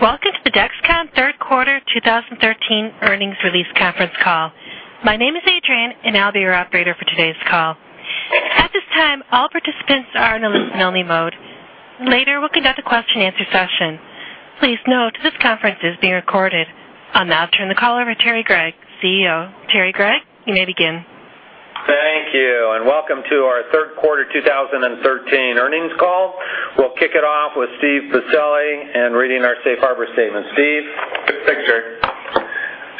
Welcome to the Dexcom third quarter 2013 earnings release conference call. My name is Adrienne, and I'll be your operator for today's call. At this time, all participants are in a listen-only mode. Later, we'll conduct a question-and-answer session. Please note this conference is being recorded. I'll now turn the call over to Terrance Gregg, CEO. Terrance Gregg, you may begin. Thank you, and welcome to our third quarter 2013 earnings call. We'll kick it off with Steven Pacelli and reading our safe harbor statement. Steve? Thanks, Terry.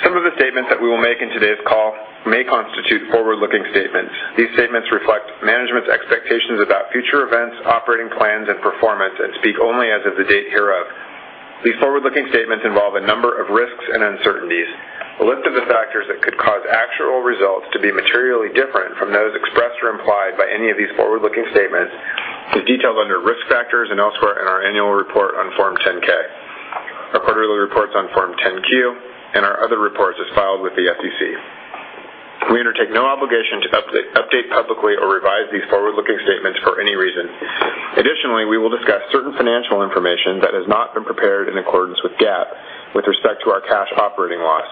Some of the statements that we will make in today's call may constitute forward-looking statements. These statements reflect management's expectations about future events, operating plans, and performance and speak only as of the date hereof. These forward-looking statements involve a number of risks and uncertainties. A list of the factors that could cause actual results to be materially different from those expressed or implied by any of these forward-looking statements is detailed under Risk Factors and elsewhere in our annual report on Form 10-K. Our quarterly reports on Form 10-Q and our other reports as filed with the SEC. We undertake no obligation to update publicly or revise these forward-looking statements for any reason. Additionally, we will discuss certain financial information that has not been prepared in accordance with GAAP with respect to our cash operating loss.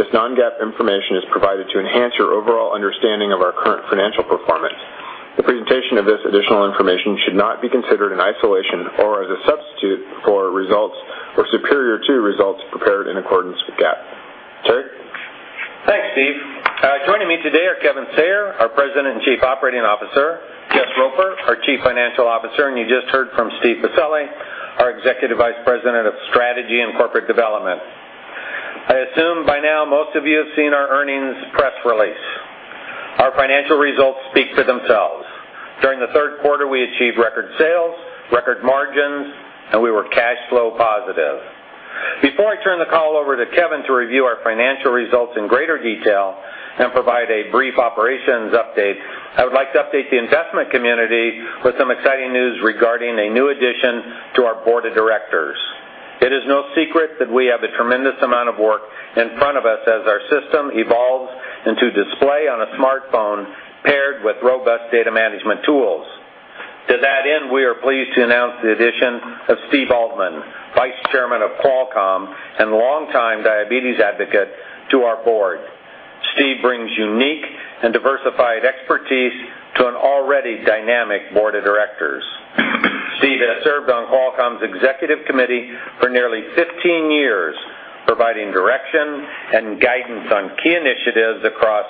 This non-GAAP information is provided to enhance your overall understanding of our current financial performance. The presentation of this additional information should not be considered in isolation or as a substitute for results or superior to results prepared in accordance with GAAP. Terry? Thanks, Steve. Joining me today are Kevin Sayer, our President and Chief Operating Officer, Jess Roper, our Chief Financial Officer, and you just heard from Steve Pacelli, our Executive Vice President of Strategy and Corporate Development. I assume by now most of you have seen our earnings press release. Our financial results speak for themselves. During the third quarter, we achieved record sales, record margins, and we were cash flow positive. Before I turn the call over to Kevin to review our financial results in greater detail and provide a brief operations update, I would like to update the investment community with some exciting news regarding a new addition to our board of directors. It is no secret that we have a tremendous amount of work in front of us as our system evolves into display on a smartphone paired with robust data management tools. To that end, we are pleased to announce the addition of Steve Altman, Vice Chairman of Qualcomm and longtime diabetes advocate to our board. Steve brings unique and diversified expertise to an already dynamic board of directors. Steve has served on Qualcomm's executive committee for nearly 15 years, providing direction and guidance on key initiatives across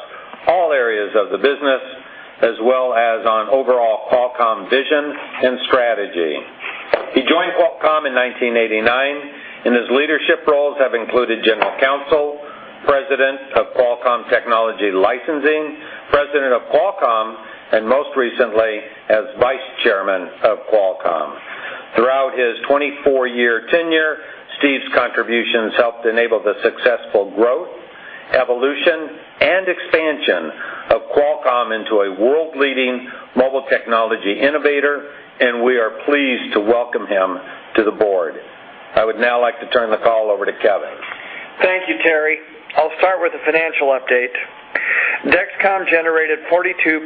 all areas of the business, as well as on overall Qualcomm vision and strategy. He joined Qualcomm in 1989, and his leadership roles have included General Counsel, President of Qualcomm Technology Licensing, President of Qualcomm, and most recently as Vice Chairman of Qualcomm. Throughout his 24-year tenure, Steve's contributions helped enable the successful growth, evolution, and expansion of Qualcomm into a world-leading mobile technology innovator, and we are pleased to welcome him to the board. I would now like to turn the call over to Kevin. Thank you, Terry. I'll start with the financial update. Dexcom generated $42.5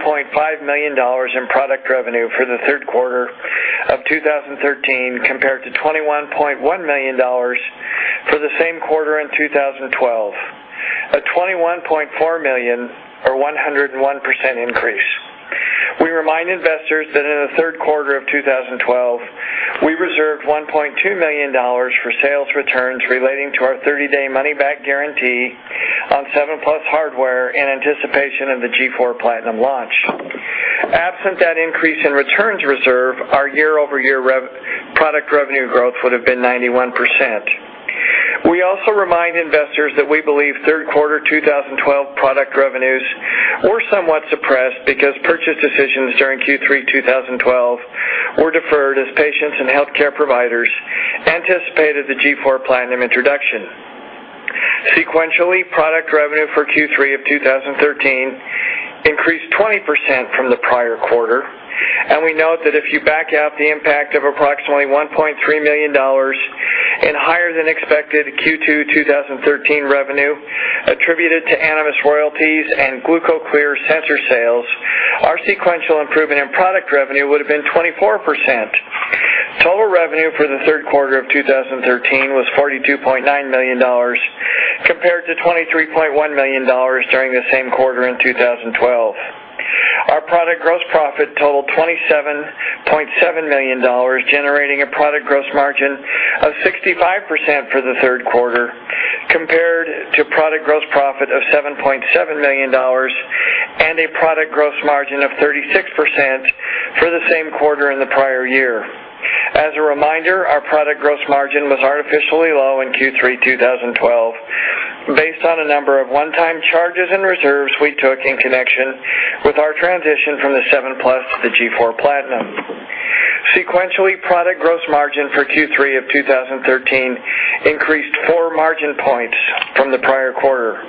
million in product revenue for the third quarter of 2013, compared to $21.1 million for the same quarter in 2012. A $21.4 million or 101% increase. We remind investors that in the third quarter of 2012, we reserved $1.2 million for sales returns relating to our thirty-day money-back guarantee on Seven Plus hardware in anticipation of the G4 Platinum launch. Absent that increase in returns reserve, our year-over-year product revenue growth would have been 91%. We also remind investors that we believe third quarter 2012 product revenues were somewhat suppressed because purchase decisions during Q3 2012 were deferred as patients and healthcare providers anticipated the G4 Platinum introduction. Sequentially, product revenue for Q3 of 2013 increased 20% from the prior quarter. We note that if you back out the impact of approximately $1.3 million in higher than expected Q2 2013 revenue attributed to Animas royalties and GlucoClear sensor sales, our sequential improvement in product revenue would have been 24%. Total revenue for the third quarter of 2013 was $42.9 million, compared to $23.1 million during the same quarter in 2012. Our product gross profit totaled $27.7 million, generating a product gross margin of 65% for the third quarter, compared to product gross profit of $7.7 million and a product gross margin of 36% for the same quarter in the prior year. As a reminder, our product gross margin was artificially low in Q3 2012 based on a number of one-time charges and reserves we took in connection with our transition from the Seven Plus to the G4 Platinum. Sequentially, product gross margin for Q3 of 2013 increased 4 margin points from the prior quarter,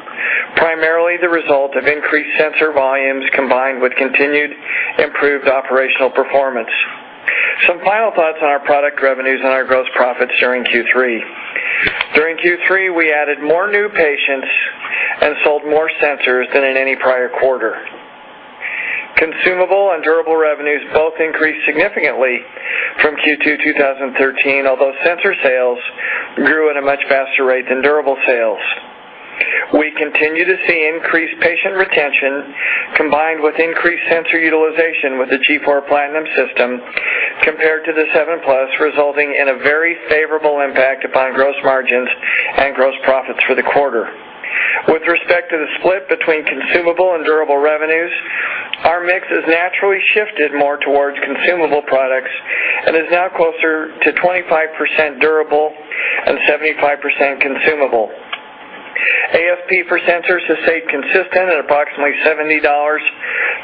primarily the result of increased sensor volumes combined with continued improved operational performance. Some final thoughts on our product revenues and our gross profits during Q3. During Q3, we added more new patients and sold more sensors than in any prior quarter. Consumable and durable revenues both increased significantly from Q2 2013, although sensor sales grew at a much faster rate than durable sales. We continue to see increased patient retention combined with increased sensor utilization with the G4 Platinum system compared to the Seven Plus, resulting in a very favorable impact upon gross margins and gross profits for the quarter. With respect to the split between consumable and durable revenues, our mix has naturally shifted more towards consumable products and is now closer to 25% durable and 75% consumable. ASP for sensors has stayed consistent at approximately $70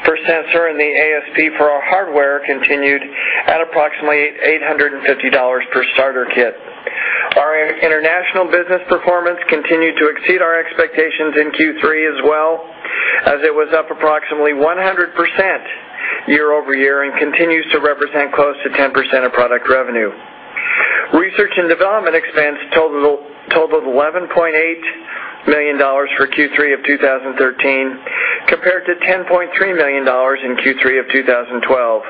per sensor, and the ASP for our hardware continued at approximately $850 per starter kit. Our international business performance continued to exceed our expectations in Q3 as well, as it was up approximately 100% year over year and continues to represent close to 10% of product revenue. Research and development expense totaled $11.8 million for Q3 of 2013, compared to $10.3 million in Q3 of 2012,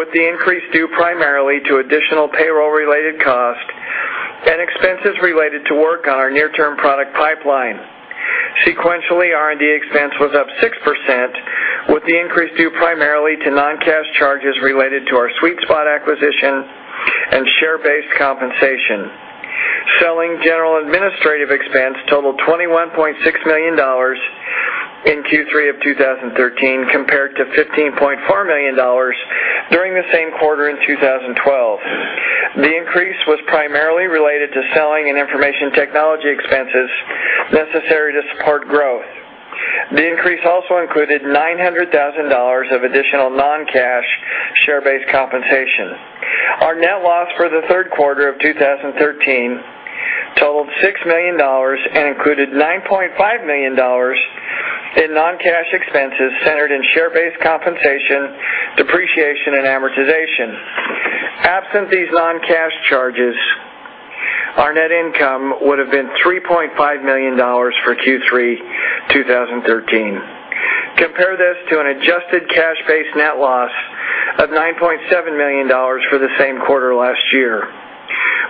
with the increase due primarily to additional payroll-related costs and expenses related to work on our near-term product pipeline. Sequentially, R&D expense was up 6%, with the increase due primarily to non-cash charges related to our SweetSpot acquisition and share-based compensation. Selling, general, and administrative expense totaled $21.6 million in Q3 of 2013, compared to $15.4 million during the same quarter in 2012. The increase was primarily related to selling and information technology expenses necessary to support growth. The increase also included $900,000 of additional non-cash share-based compensation. Our net loss for the third quarter of 2013 totaled $6 million and included $9.5 million in non-cash expenses centered in share-based compensation, depreciation, and amortization. Absent these non-cash charges, our net income would have been $3.5 million for Q3 2013. Compare this to an adjusted cash-based net loss of $9.7 million for the same quarter last year.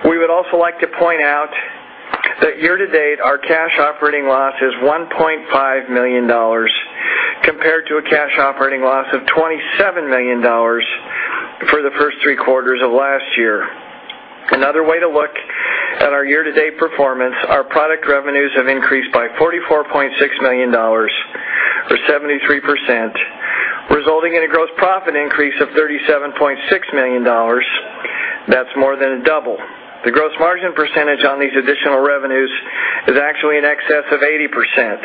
We would also like to point out that year-to-date, our cash operating loss is $1.5 million, compared to a cash operating loss of $27 million for the first three quarters of last year. Another way to look at our year-to-date performance, our product revenues have increased by $44.6 million, or 73%, resulting in a gross profit increase of $37.6 million. That's more than double. The gross margin percentage on these additional revenues is actually in excess of 80%.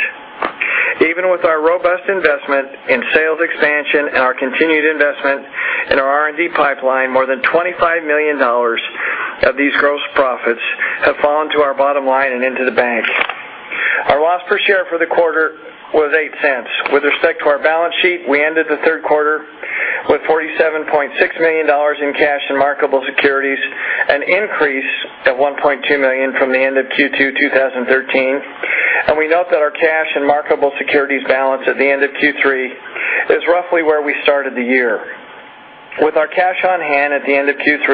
Even with our robust investment in sales expansion and our continued investment in our R&D pipeline, more than $25 million of these gross profits have fallen to our bottom line and into the bank. Our loss per share for the quarter was $0.08. With respect to our balance sheet, we ended the third quarter with $47.6 million in cash and marketable securities, an increase of $1.2 million from the end of Q2 2013. We note that our cash and marketable securities balance at the end of Q3 is roughly where we started the year. With our cash on hand at the end of Q3,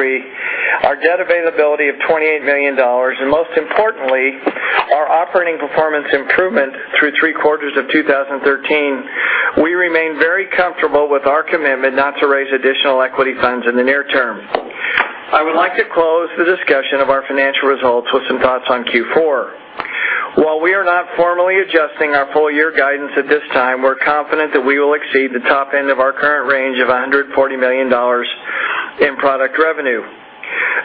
our debt availability of $28 million, and most importantly, our operating performance improvement through three quarters of 2013, we remain very comfortable with our commitment not to raise additional equity funds in the near term. I would like to close the discussion of our financial results with some thoughts on Q4. While we are not formally adjusting our full year guidance at this time, we're confident that we will exceed the top end of our current range of $140 million in product revenue.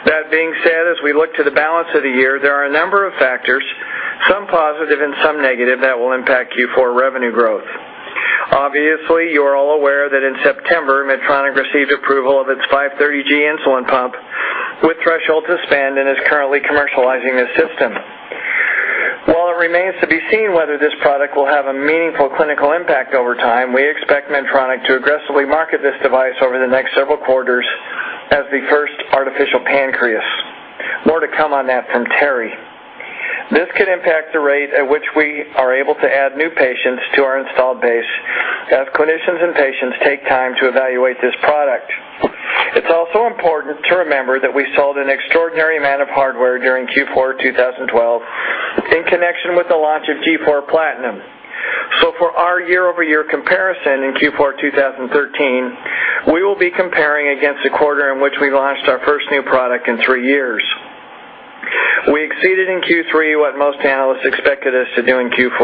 That being said, as we look to the balance of the year, there are a number of factors, some positive and some negative, that will impact Q4 revenue growth. Obviously, you are all aware that in September, Medtronic received approval of its 530G insulin pump with threshold suspend and is currently commercializing the system. While it remains to be seen whether this product will have a meaningful clinical impact over time, we expect Medtronic to aggressively market this device over the next several quarters as the first artificial pancreas. More to come on that from Terry. This could impact the rate at which we are able to add new patients to our installed base as clinicians and patients take time to evaluate this product. It's also important to remember that we sold an extraordinary amount of hardware during Q4 2012 in connection with the launch of G4 PLATINUM. For our year-over-year comparison in Q4 2013, we will be comparing against a quarter in which we launched our first new product in three years. We exceeded in Q3 what most analysts expected us to do in Q4.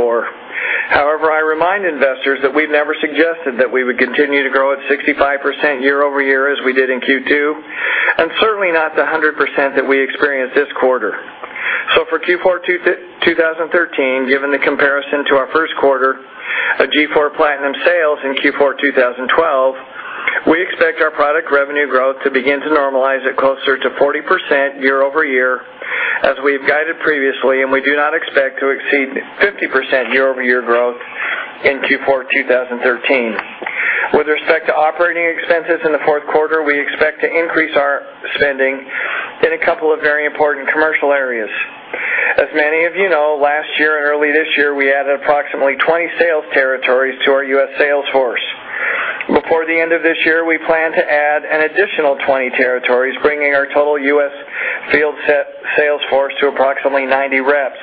However, I remind investors that we've never suggested that we would continue to grow at 65% year-over-year as we did in Q2, and certainly not the 100% that we experienced this quarter. For Q4 2013, given the comparison to our first quarter of G4 Platinum sales in Q4 2012, we expect our product revenue growth to begin to normalize at closer to 40% year-over-year as we've guided previously, and we do not expect to exceed 50% year-over-year growth in Q4 2013. With respect to operating expenses in the fourth quarter, we expect to increase our spending in a couple of very important commercial areas. As many of you know, last year and early this year, we added approximately 20 sales territories to our U.S. sales force. Before the end of this year, we plan to add an additional 20 territories, bringing our total U.S. field sales force to approximately 90 reps.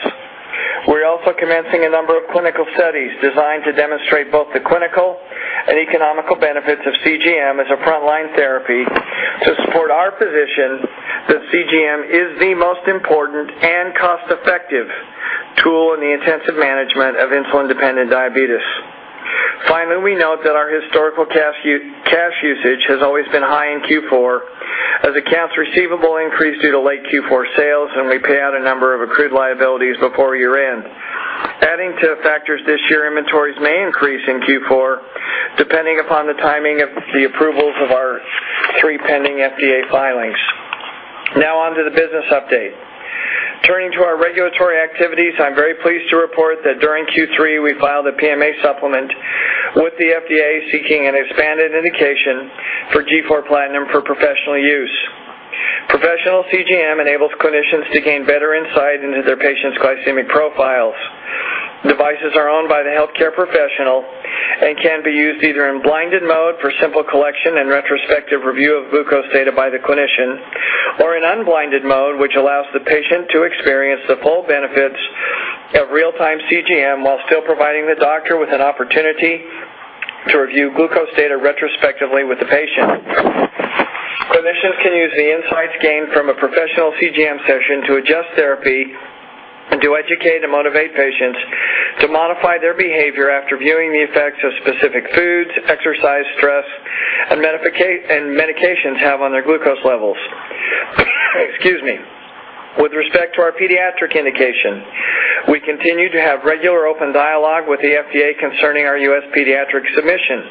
We're also commencing a number of clinical studies designed to demonstrate both the clinical and economic benefits of CGM as a frontline therapy to support our position that CGM is the most important and cost-effective tool in the intensive management of insulin-dependent diabetes. Finally, we note that our historical cash usage has always been high in Q4 as accounts receivable increase due to late Q4 sales, and we pay out a number of accrued liabilities before year-end. Adding to factors this year, inventories may increase in Q4, depending upon the timing of the approvals of our three pending FDA filings. Now on to the business update. Turning to our regulatory activities, I'm very pleased to report that during Q3, we filed a PMA supplement with the FDA seeking an expanded indication for G4 Platinum for professional use. Professional CGM enables clinicians to gain better insight into their patients' glycemic profiles. Devices are owned by the healthcare professional and can be used either in blinded mode for simple collection and retrospective review of glucose data by the clinician or in unblinded mode, which allows the patient to experience the full benefits of real-time CGM while still providing the doctor with an opportunity to review glucose data retrospectively with the patient. Clinicians can use the insights gained from a professional CGM session to adjust therapy and to educate and motivate patients to modify their behavior after viewing the effects of specific foods, exercise, stress, and medications have on their glucose levels. Excuse me. With respect to our pediatric indication, we continue to have regular open dialogue with the FDA concerning our U.S. pediatric submission.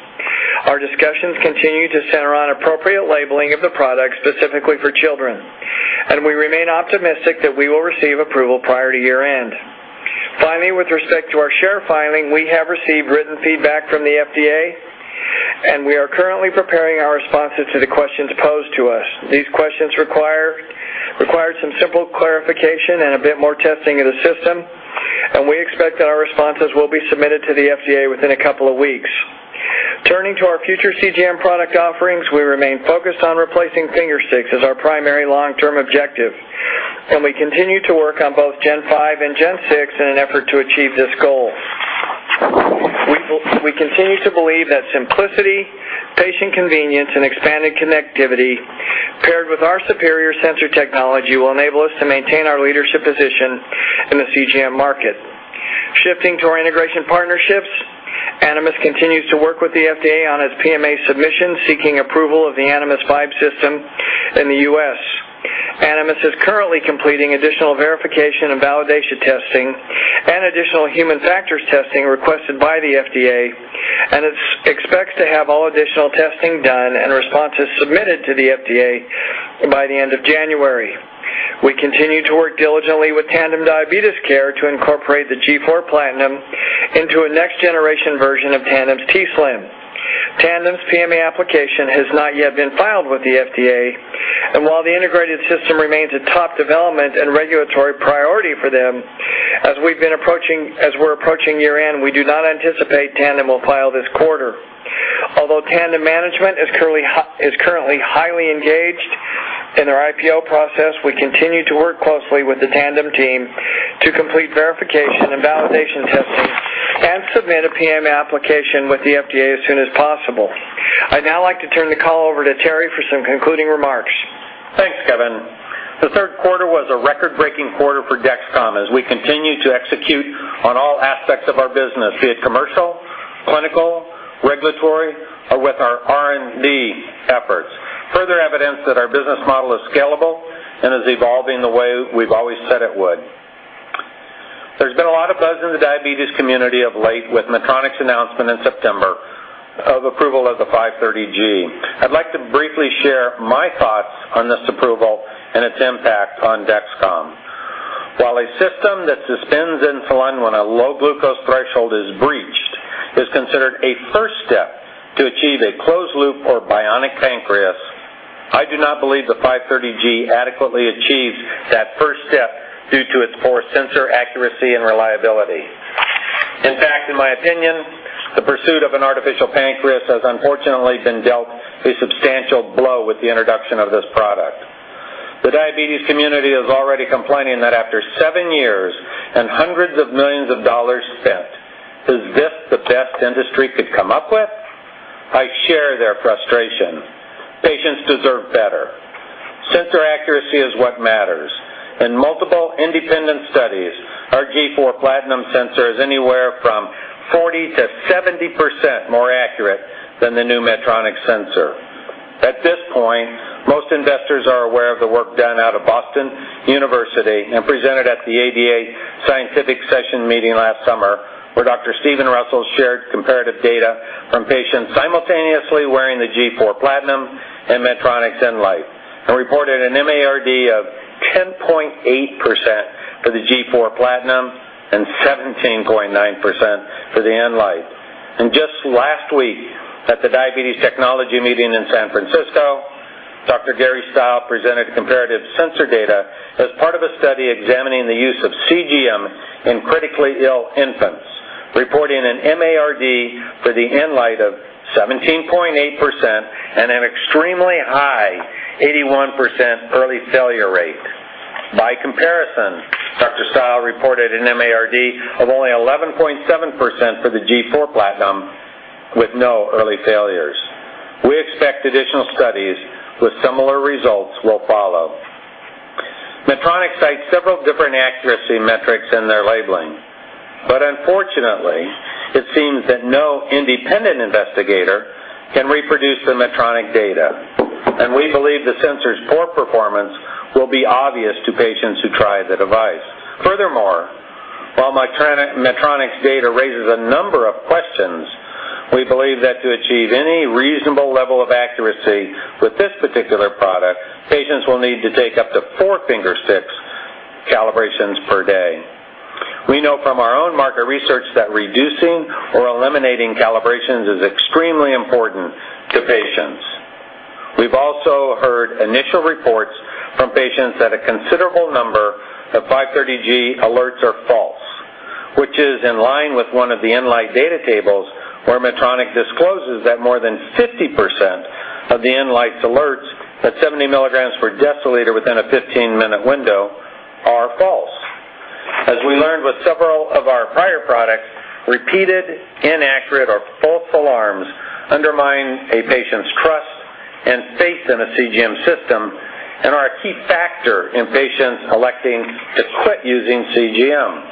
Our discussions continue to center on appropriate labeling of the product specifically for children, and we remain optimistic that we will receive approval prior to year-end. Finally, with respect to our Share filing, we have received written feedback from the FDA, and we are currently preparing our responses to the questions posed to us. These questions require some simple clarification and a bit more testing of the system, and we expect that our responses will be submitted to the FDA within a couple of weeks. Turning to our future CGM product offerings, we remain focused on replacing finger sticks as our primary long-term objective, and we continue to work on both G5 and G6 in an effort to achieve this goal. We continue to believe that simplicity, patient convenience, and expanded connectivity paired with our superior sensor technology will enable us to maintain our leadership position in the CGM market. Shifting to our integration partnerships, Animas continues to work with the FDA on its PMA submission, seeking approval of the Animas Vibe System in the U.S. Animas is currently completing additional verification and validation testing and additional human factors testing requested by the FDA, and it expects to have all additional testing done and responses submitted to the FDA by the end of January. We continue to work diligently with Tandem Diabetes Care to incorporate the G4 Platinum into a next-generation version of Tandem's t:slim. Tandem's PMA application has not yet been filed with the FDA, and while the integrated system remains a top development and regulatory priority for them, as we're approaching year-end, we do not anticipate Tandem will file this quarter. Although Tandem management is currently highly engaged in their IPO process, we continue to work closely with the Tandem team to complete verification and validation testing and submit a PMA application with the FDA as soon as possible. I'd now like to turn the call over to Terry for some concluding remarks. Thanks, Kevin. The third quarter was a record-breaking quarter for Dexcom as we continue to execute on all aspects of our business, be it commercial, clinical, regulatory, or with our R&D efforts, further evidence that our business model is scalable and is evolving the way we've always said it would. There's been a lot of buzz in the diabetes community of late with Medtronic's announcement in September of approval of the 530G. I'd like to briefly share my thoughts on this approval and its impact on Dexcom. While a system that suspends insulin when a low glucose threshold is breached is considered a first step to achieve a closed loop or bionic pancreas, I do not believe the 530G adequately achieves that first step due to its poor sensor accuracy and reliability. In fact, in my opinion, the pursuit of an artificial pancreas has unfortunately been dealt a substantial blow with the introduction of this product. The diabetes community is already complaining that after seven years and hundreds of millions dollar spent, is this the best industry could come up with? I share their frustration. Patients deserve better. Sensor accuracy is what matters. In multiple independent studies, our G4 Platinum sensor is anywhere from 40%-70% more accurate than the new Medtronic sensor. At this point, most investors are aware of the work done out of Boston University and presented at the ADA Scientific Session meeting last summer, where Dr. Steven Russell shared comparative data from patients simultaneously wearing the G4 Platinum and Medtronic's Enlite and reported an MARD of 10.8% for the G4 Platinum and 17.9% for the Enlite. Just last week at the Diabetes Technology Meeting in San Francisco, Dr. Gary Stiles presented comparative sensor data as part of a study examining the use of CGM in critically ill infants, reporting an MARD for the Enlite of 17.8% and an extremely high 81% early failure rate. By comparison, Dr. Stile reported an MARD of only 11.7% for the G4 PLATINUM with no early failures. We expect additional studies with similar results will follow. Medtronic cites several different accuracy metrics in their labeling, but unfortunately, it seems that no independent investigator can reproduce the Medtronic data, and we believe the sensor's poor performance will be obvious to patients who try the device. Furthermore, while Medtronic's data raises a number of questions, we believe that to achieve any reasonable level of accuracy with this particular product, patients will need to take up to four finger-sticks calibrations per day. We know from our own market research that reducing or eliminating calibrations is extremely important to patients. We've also heard initial reports from patients that a considerable number of 530G alerts are false, which is in line with one of the Enlite data tables where Medtronic discloses that more than 50% of the Enlite's alerts at 70 mg per deciliter within a 15-minute window are false. As we learned with several of our prior products, repeated inaccurate or false alarms undermine a patient's trust and faith in a CGM system and are a key factor in patients electing to quit using CGM.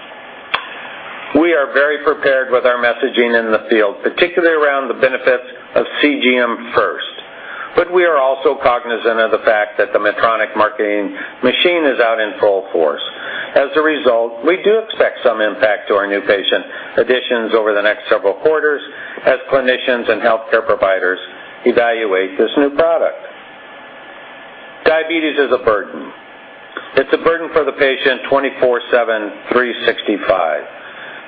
We are very prepared with our messaging in the field, particularly around the benefits of CGM first. We are also cognizant of the fact that the Medtronic marketing machine is out in full force. As a result, we do expect some impact to our new patient additions over the next several quarters as clinicians and healthcare providers evaluate this new product. Diabetes is a burden. It's a burden for the patient 24/7, 365.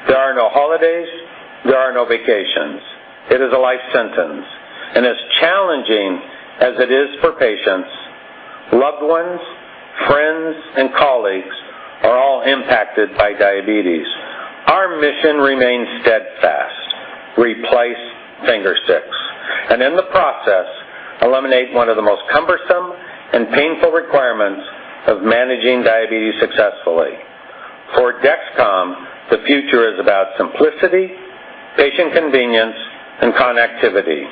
There are no holidays, there are no vacations. It is a life sentence. As challenging as it is for patients, loved ones, friends, and colleagues are all impacted by diabetes. Our mission remains steadfast, replace finger sticks, and in the process, eliminate one of the most cumbersome and painful requirements of managing diabetes successfully. For Dexcom, the future is about simplicity, patient convenience, and connectivity.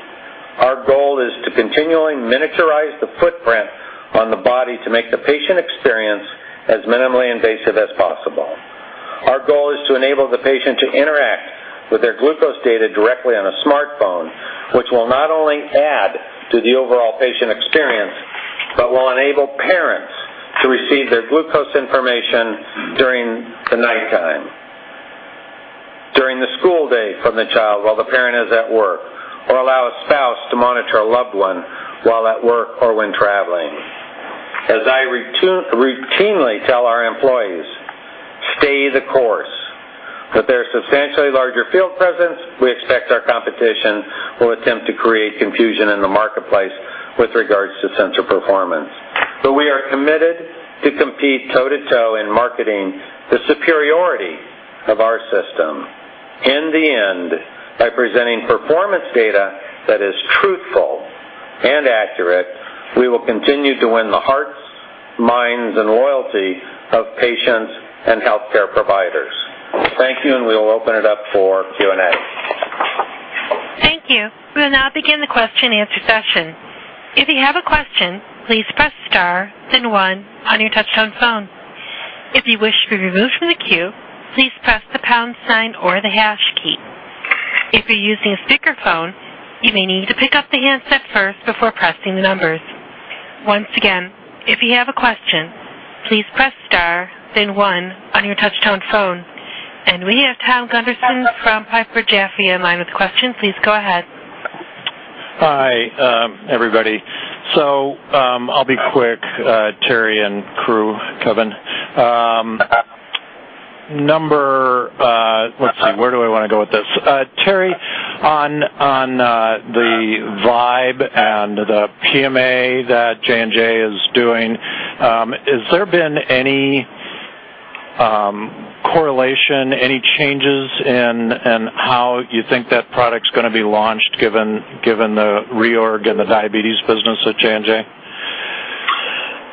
Our goal is to continually miniaturize the footprint on the body to make the patient experience as minimally invasive as possible. Our goal is to enable the patient to interact with their glucose data directly on a smartphone, which will not only add to the overall patient experience, but will enable parents to receive their glucose information during the nighttime, during the school day from the child while the parent is at work, or allow a spouse to monitor a loved one while at work or when traveling. As I routinely tell our employees, "Stay the course." With their substantially larger field presence, we expect our competition will attempt to create confusion in the marketplace with regards to sensor performance. We are committed to compete toe-to-toe in marketing the superiority of our system. In the end, by presenting performance data that is truthful and accurate, we will continue to win the hearts, minds, and loyalty of patients and healthcare providers. Thank you, and we will open it up for Q&A. Thank you. We will now begin the question-and-answer session. If you have a question, please press star then one on your touchtone phone. If you wish to be removed from the queue, please press the pound sign or the hash key. If you're using a speakerphone, you may need to pick up the handset first before pressing the numbers. Once again, if you have a question, please press star then one on your touchtone phone. We have Thomas Gunderson from Piper Jaffray in line with a question. Please go ahead. Hi, everybody. I'll be quick, Terry and crew, Kevin. Let's see. Where do I wanna go with this? Terry, on the Vibe and the PMA that J&J is doing, has there been any correlation, any changes in how you think that product's gonna be launched given the reorg in the diabetes business at J&J?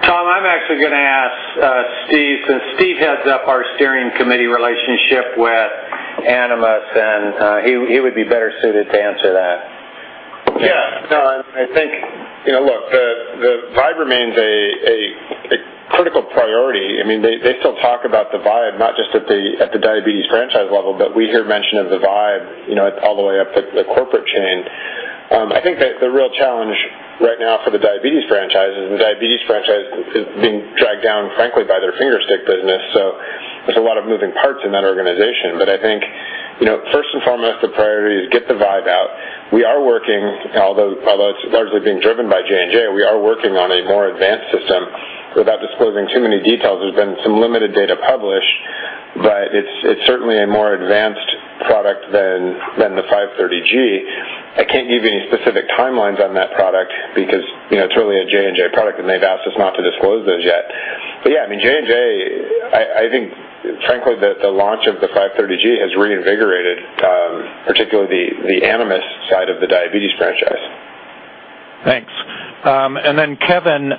Tom, I'm actually gonna ask Steve, since Steve heads up our steering committee relationship with Animas, and he would be better suited to answer that. Yeah. No, I think, you know, look, the Vibe remains a critical priority. I mean, they still talk about the Vibe, not just at the diabetes franchise level, but we hear mention of the Vibe, you know, all the way up the corporate chain. I think the real challenge right now for the diabetes franchise is the diabetes franchise is being dragged down, frankly, by their finger stick business, so there's a lot of moving parts in that organization. I think, you know, first and foremost, the priority is get the Vibe out. We are working, although it's largely being driven by J&J, we are working on a more advanced system. Without disclosing too many details, there's been some limited data published. But it's certainly a more advanced product than the 530G. I can't give you any specific timelines on that product because, you know, it's really a J&J product, and they've asked us not to disclose those yet. Yeah, I mean, J&J, I think, frankly, that the launch of the 530G has reinvigorated particularly the Animas side of the diabetes franchise. Thanks. Steven,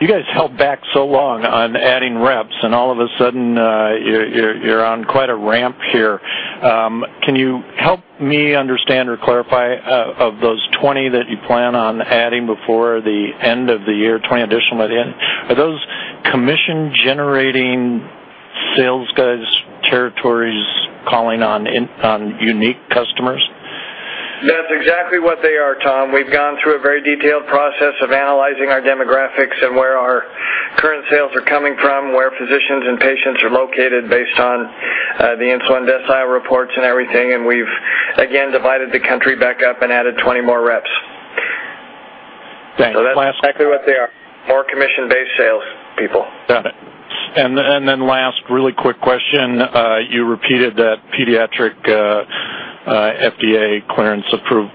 you guys held back so long on adding reps, and all of a sudden, you're on quite a ramp here. Can you help me understand or clarify, of those 20 that you plan on adding before the end of the year, 20 additional at the end, are those commission-generating sales guys, territories calling on unique customers? That's exactly what they are, Tom. We've gone through a very detailed process of analyzing our demographics and where our current sales are coming from, where physicians and patients are located based on the insulin desk-side reports and everything. We've, again, divided the country back up and added 20 more reps. Thanks. That's exactly what they are, more commission-based sales people. Got it. Last really quick question. You repeated that pediatric FDA clearance approved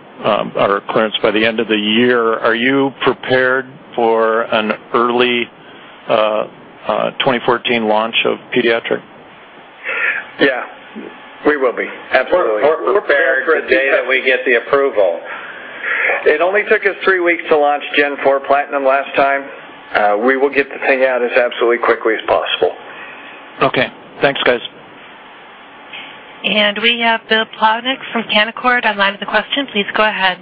or clearance by the end of the year. Are you prepared for an early 2014 launch of pediatric? Yeah, we will be. Absolutely. We're prepared the day that we get the approval. It only took us three weeks to launch G4 Platinum last time. We will get the thing out as absolutely quickly as possible. Okay. Thanks, guys. We have Bill Plovanic from Canaccord online with a question. Please go ahead.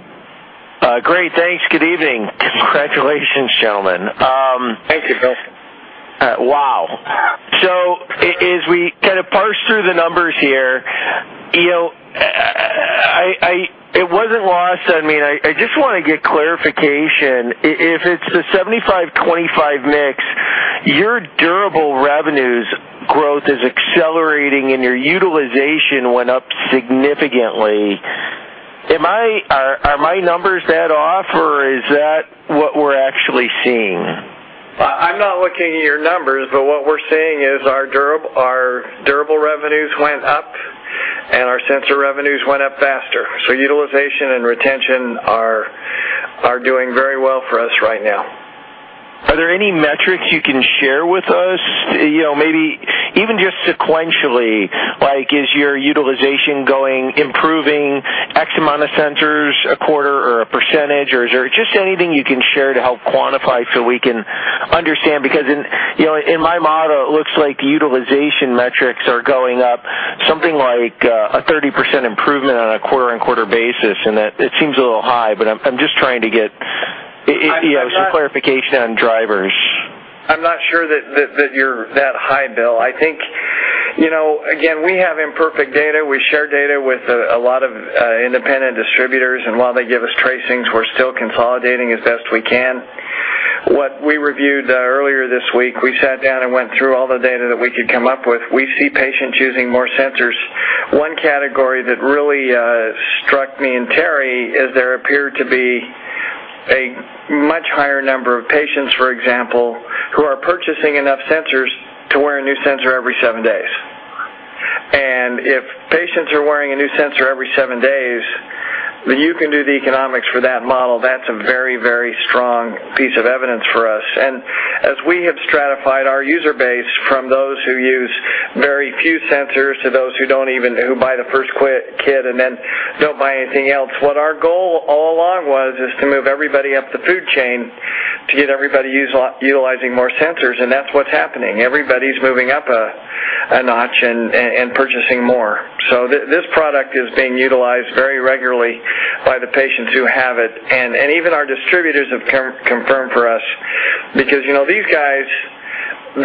Great. Thanks. Good evening. Congratulations, gentlemen. Thank you, Bill. As we kind of parse through the numbers here, you know, it wasn't lost on me. I just wanna get clarification. If it's the 75-25 mix, your durable revenues growth is accelerating and your utilization went up significantly. Are my numbers that off, or is that what we're actually seeing? I'm not looking at your numbers, but what we're seeing is our durable revenues went up and our sensor revenues went up faster. Utilization and retention are doing very well for us right now. Are there any metrics you can share with us, you know, maybe even just sequentially, like, is your utilization going improving X amount of sensors a quarter or a percentage, or is there just anything you can share to help quantify so we can understand? Because in, you know, in my model, it looks like utilization metrics are going up something like a 30% improvement on a quarter-over-quarter basis, and that it seems a little high, but I'm just trying to get, you know, some clarification on drivers. I'm not sure that you're that high, Bill. I think, you know, again, we have imperfect data. We share data with a lot of independent distributors, and while they give us tracings, we're still consolidating as best we can. What we reviewed earlier this week, we sat down and went through all the data that we could come up with. We see patients using more sensors. One category that really struck me and Terry is there appeared to be a much higher number of patients, for example, who are purchasing enough sensors to wear a new sensor every seven days. If patients are wearing a new sensor every seven days, then you can do the economics for that model. That's a very, very strong piece of evidence for us. As we have stratified our user base from those who use very few sensors to those who buy the first kit and then don't buy anything else, what our goal all along was is to move everybody up the food chain to get everybody utilizing more sensors, and that's what's happening. Everybody's moving up a notch and purchasing more. This product is being utilized very regularly by the patients who have it. Even our distributors have confirmed for us because, you know, these guys,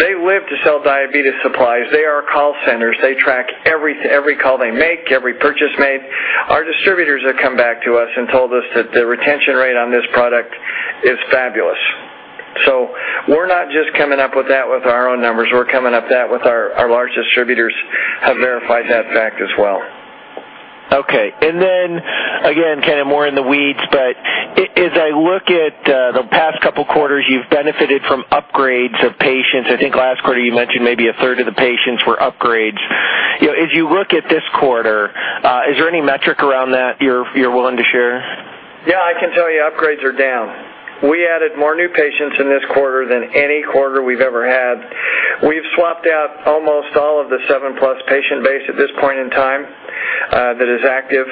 they live to sell diabetes supplies. They are call centers. They track every call they make, every purchase made. Our distributors have come back to us and told us that the retention rate on this product is fabulous. We're not just coming up with that with our own numbers. We're coming up with that, our large distributors have verified that fact as well. Okay. Again, kind of more in the weeds, but as I look at the past couple quarters, you've benefited from upgrades of patients. I think last quarter you mentioned maybe a third of the patients were upgrades. You know, as you look at this quarter, is there any metric around that you're willing to share? Yeah, I can tell you upgrades are down. We added more new patients in this quarter than any quarter we've ever had. We've swapped out almost all of the seven-plus patient base at this point in time, that is active.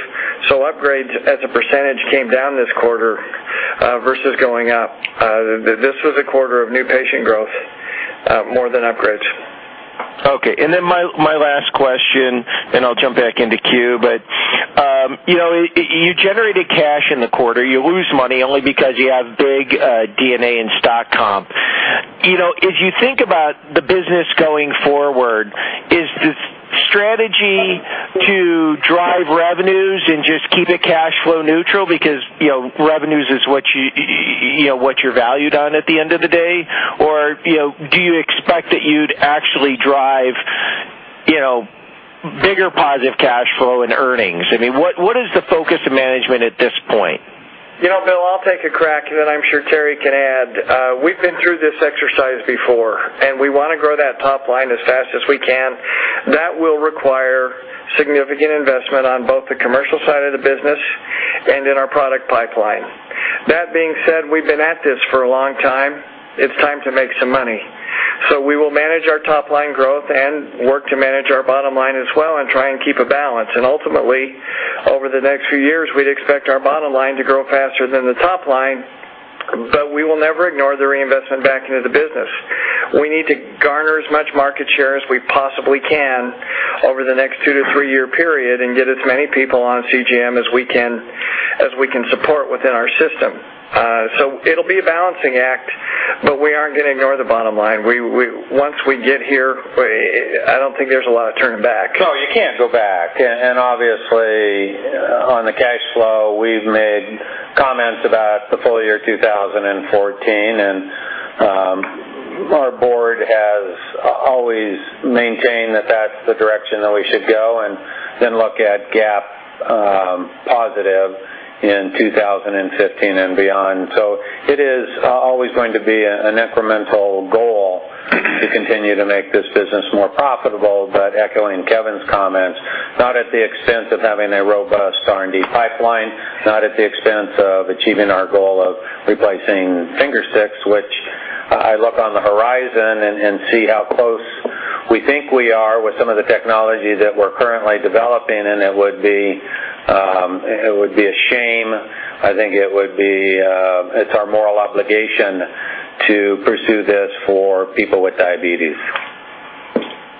So upgrades as a percentage came down this quarter, versus going up. This was a quarter of new patient growth, more than upgrades. Okay. My last question, then I'll jump back into queue. You know, you generated cash in the quarter. You lose money only because you have big R&D and stock comp. You know, as you think about the business going forward, is the strategy to drive revenues and just keep it cash flow neutral because, you know, revenues is what you know, what you're valued on at the end of the day? You know, do you expect that you'd actually drive, you know, bigger positive cash flow and earnings? I mean, what is the focus of management at this point? I'll take a crack, and then I'm sure Terry can add. We've been through this exercise before, and we wanna grow that top line as fast as we can. That will require significant investment on both the commercial side of the business and in our product pipeline. That being said, we've been at this for a long time. It's time to make some money. We will manage our top line growth and work to manage our bottom line as well and try and keep a balance. Ultimately, over the next few years, we'd expect our bottom line to grow faster than the top line, but we will never ignore the reinvestment back into the business. We need to garner as much market share as we possibly can over the next two to three-year period and get as many people on CGM as we can, as we can support within our system. It'll be a balancing act, but we aren't gonna ignore the bottom line. Once we get here, I don't think there's a lot of turning back. No, you can't go back. Obviously, on the cash flow, we've made comments about the full year 2014. Our board has always maintained that that's the direction that we should go, and then look at GAAP positive in 2015 and beyond. It is always going to be an incremental goal to continue to make this business more profitable, but echoing Kevin's comments, not at the expense of having a robust R&D pipeline, not at the expense of achieving our goal of replacing finger sticks, which I look on the horizon and see how close we think we are with some of the technology that we're currently developing, and it would be a shame. I think it would be. It's our moral obligation to pursue this for people with diabetes.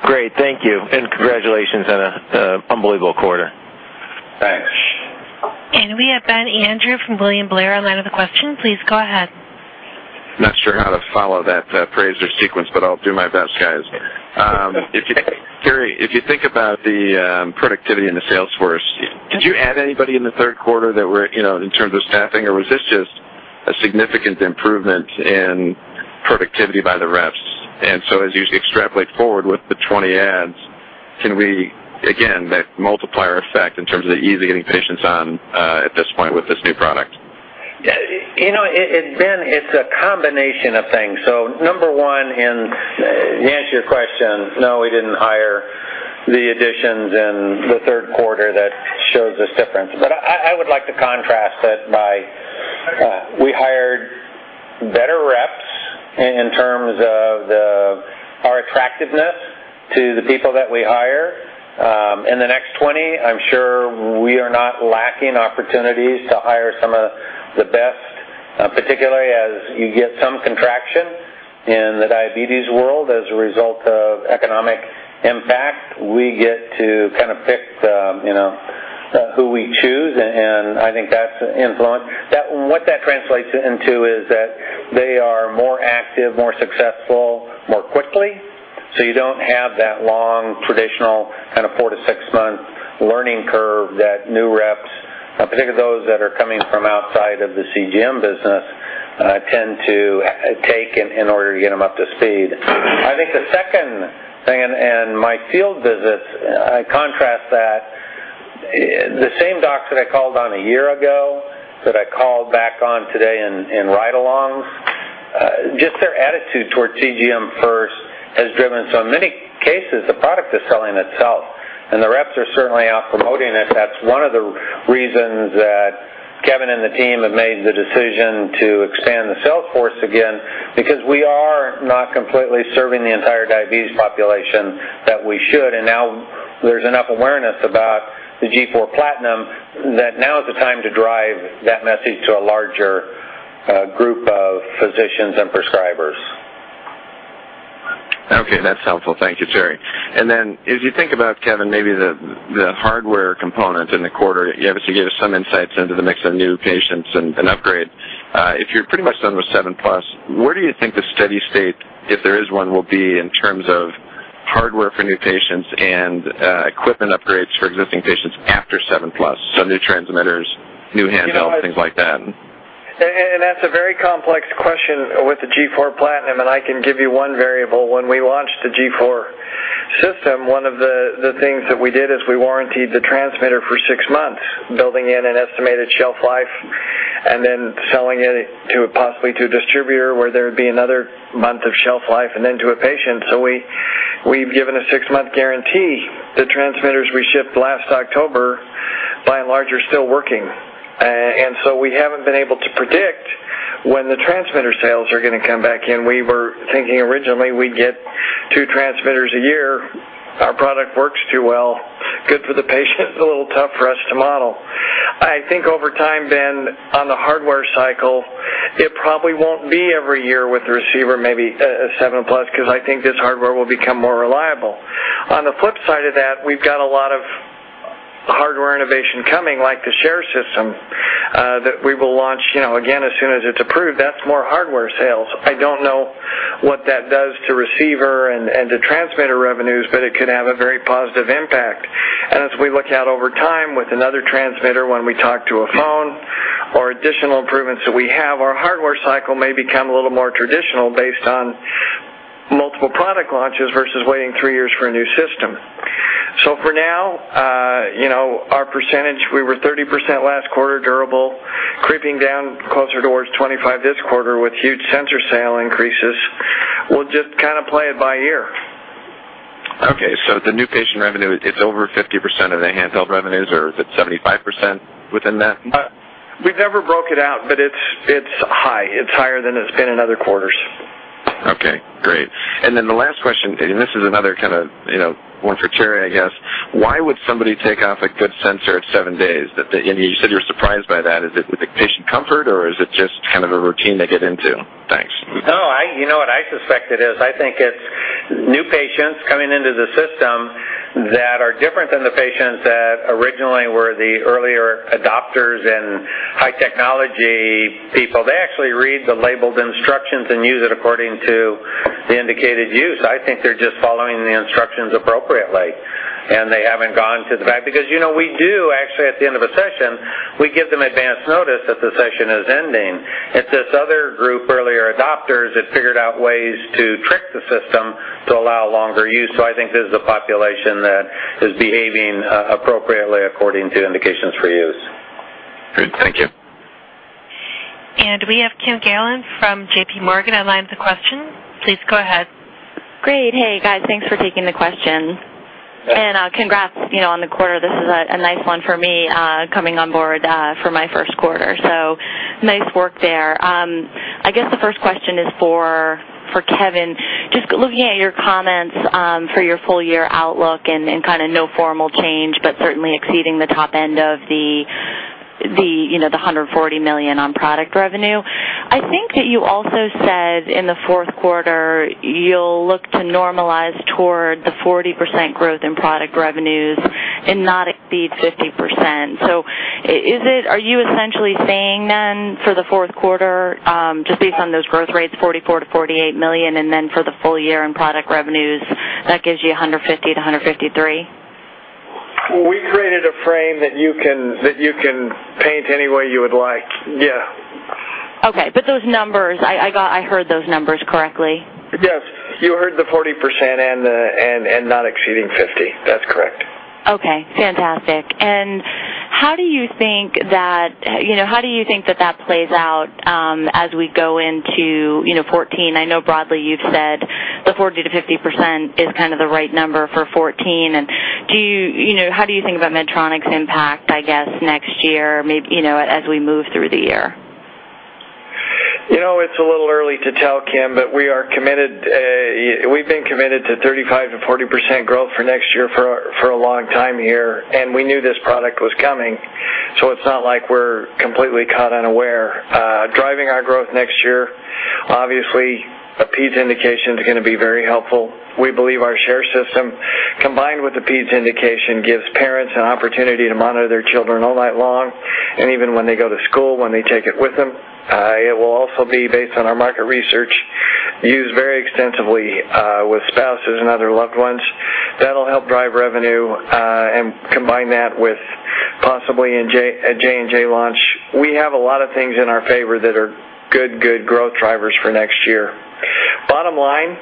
Great. Thank you. Congratulations on an unbelievable quarter. Thanks. We have Ben Andrew from William Blair on the line with a question. Please go ahead. Not sure how to follow that praise or sequence, but I'll do my best, guys. Terry, if you think about the productivity in the sales force, did you add anybody in the third quarter that were, you know, in terms of staffing, or was this just a significant improvement in productivity by the reps? As you extrapolate forward with the 20 adds, can we again that multiplier effect in terms of the ease of getting patients on at this point with this new product? You know, Ben, it's a combination of things. Number one, and to answer your question, no, we didn't hire the additions in the third quarter that shows this difference. I would like to contrast that by, we hired better reps in terms of our attractiveness to the people that we hire. In the next 20, I'm sure we are not lacking opportunities to hire some of the best, particularly as you get some contraction in the diabetes world as a result of economic impact. We get to kind of pick the, you know, who we choose, and I think that's an influence. What that translates into is that they are more active, more successful more quickly. You don't have that long, traditional kind of four to six-month learning curve that new reps, particularly those that are coming from outside of the CGM business, tend to take in order to get them up to speed. I think the second thing, and in my field visits, I contrast that. The same docs that I called on a year ago, that I called back on today in ride-alongs, just their attitude towards CGM first has driven. In many cases, the product is selling itself, and the reps are certainly out promoting it. That's one of the reasons that Kevin and the team have made the decision to expand the sales force again, because we are not completely serving the entire diabetes population that we should. Now there's enough awareness about the G4 Platinum that now is the time to drive that message to a larger group of physicians and prescribers. Okay, that's helpful. Thank you, Terry. If you think about, Kevin, maybe the hardware component in the quarter, you obviously gave us some insights into the mix of new patients and upgrade. If you're pretty much done with Seven Plus, where do you think the steady-state, if there is one, will be in terms of hardware for new patients and equipment upgrades for existing patients after Seven Plus? New transmitters, new handhelds, things like that. That's a very complex question with the G4 Platinum, and I can give you one variable. When we launched the G4 system, one of the things that we did is we warrantied the transmitter for six months, building in an estimated shelf life, and then selling it to possibly a distributor, where there would be another month of shelf life and then to a patient. We've given a six-month guarantee. The transmitters we shipped last October, by and large, are still working. We haven't been able to predict when the transmitter sales are gonna come back in. We were thinking originally we'd get two transmitters a year. Our product works too well. Good for the patient, a little tough for us to model. I think over time then on the hardware cycle, it probably won't be every year with the receiver, maybe a Seven Plus, 'cause I think this hardware will become more reliable. On the flip side of that, we've got a lot of hardware innovation coming, like the Share System, that we will launch, you know, again, as soon as it's approved. That's more hardware sales. I don't know what that does to receiver and to transmitter revenues, but it could have a very positive impact. As we look out over time with another transmitter when we talk to a phone or additional improvements that we have, our hardware cycle may become a little more traditional based on multiple product launches versus waiting three years for a new system. For now you know, our percentage, we were 30% last quarter durable, creeping down closer towards 25% this quarter with huge sensor sales increases. We'll just kind of play it by ear. Okay. The new patient revenue, it's over 50% of the handheld revenues, or is it 75% within that? We've never broke it out, but it's high. It's higher than it's been in other quarters. Okay, great. The last question, and this is another kind of, you know, one for Terry, I guess. Why would somebody take off a good sensor at seven days? You said you were surprised by that. Is it with the patient comfort or is it just kind of a routine they get into? Thanks. No, you know what I suspect it is, I think it's new patients coming into the system that are different than the patients that originally were the earlier adopters and high technology people. They actually read the labeled instructions and use it according to the indicated use. I think they're just following the instructions appropriately, and they haven't gone to the back because, you know, we do actually at the end of a session, we give them advance notice that the session is ending. It's this other group, earlier adopters, that figured out ways to trick the system to allow longer use. I think this is a population that is behaving appropriately according to indications for use. Good. Thank you. We have Kimberly Gailun from JPMorgan on the line with a question. Please go ahead. Great. Hey, guys. Thanks for taking the questions. Yeah. Congrats, you know, on the quarter. This is a nice one for me, coming on board, for my first quarter. Nice work there. I guess the first question is for Kevin. Just looking at your comments, for your full year outlook and kind of no formal change, but certainly exceeding the top end of the, you know, the $140 million on product revenue. I think that you also said in the fourth quarter you'll look to normalize toward the 40% growth in product revenues and not exceed 50%. Are you essentially saying then for the fourth quarter, just based on those growth rates, $44 million-$48 million, and then for the full year in product revenues, that gives you $150 million-$153 million? We created a frame that you can paint any way you would like. Yeah. Okay. Those numbers I got, I heard those numbers correctly. Yes. You heard the 40% and not exceeding 50%. That's correct. Okay, fantastic. How do you think that, you know, how do you think that that plays out as we go into, you know, 2014? I know broadly you've said the 40%-50% is kind of the right number for 2014. Do you know, how do you think about Medtronic's impact, I guess, next year, you know, as we move through the year? You know, it's a little early to tell, Kim, but we are committed. We've been committed to 35%-40% growth for next year for a long time here, and we knew this product was coming. It's not like we're completely caught unaware. Driving our growth next year, obviously, a peds indication is gonna be very helpful. We believe our share system, combined with the peds indication, gives parents an opportunity to monitor their children all night long and even when they go to school when they take it with them. It will also be based on our market research, used very extensively with spouses and other loved ones. That'll help drive revenue and combine that with possibly a J&J launch. We have a lot of things in our favor that are good growth drivers for next year. Bottom line,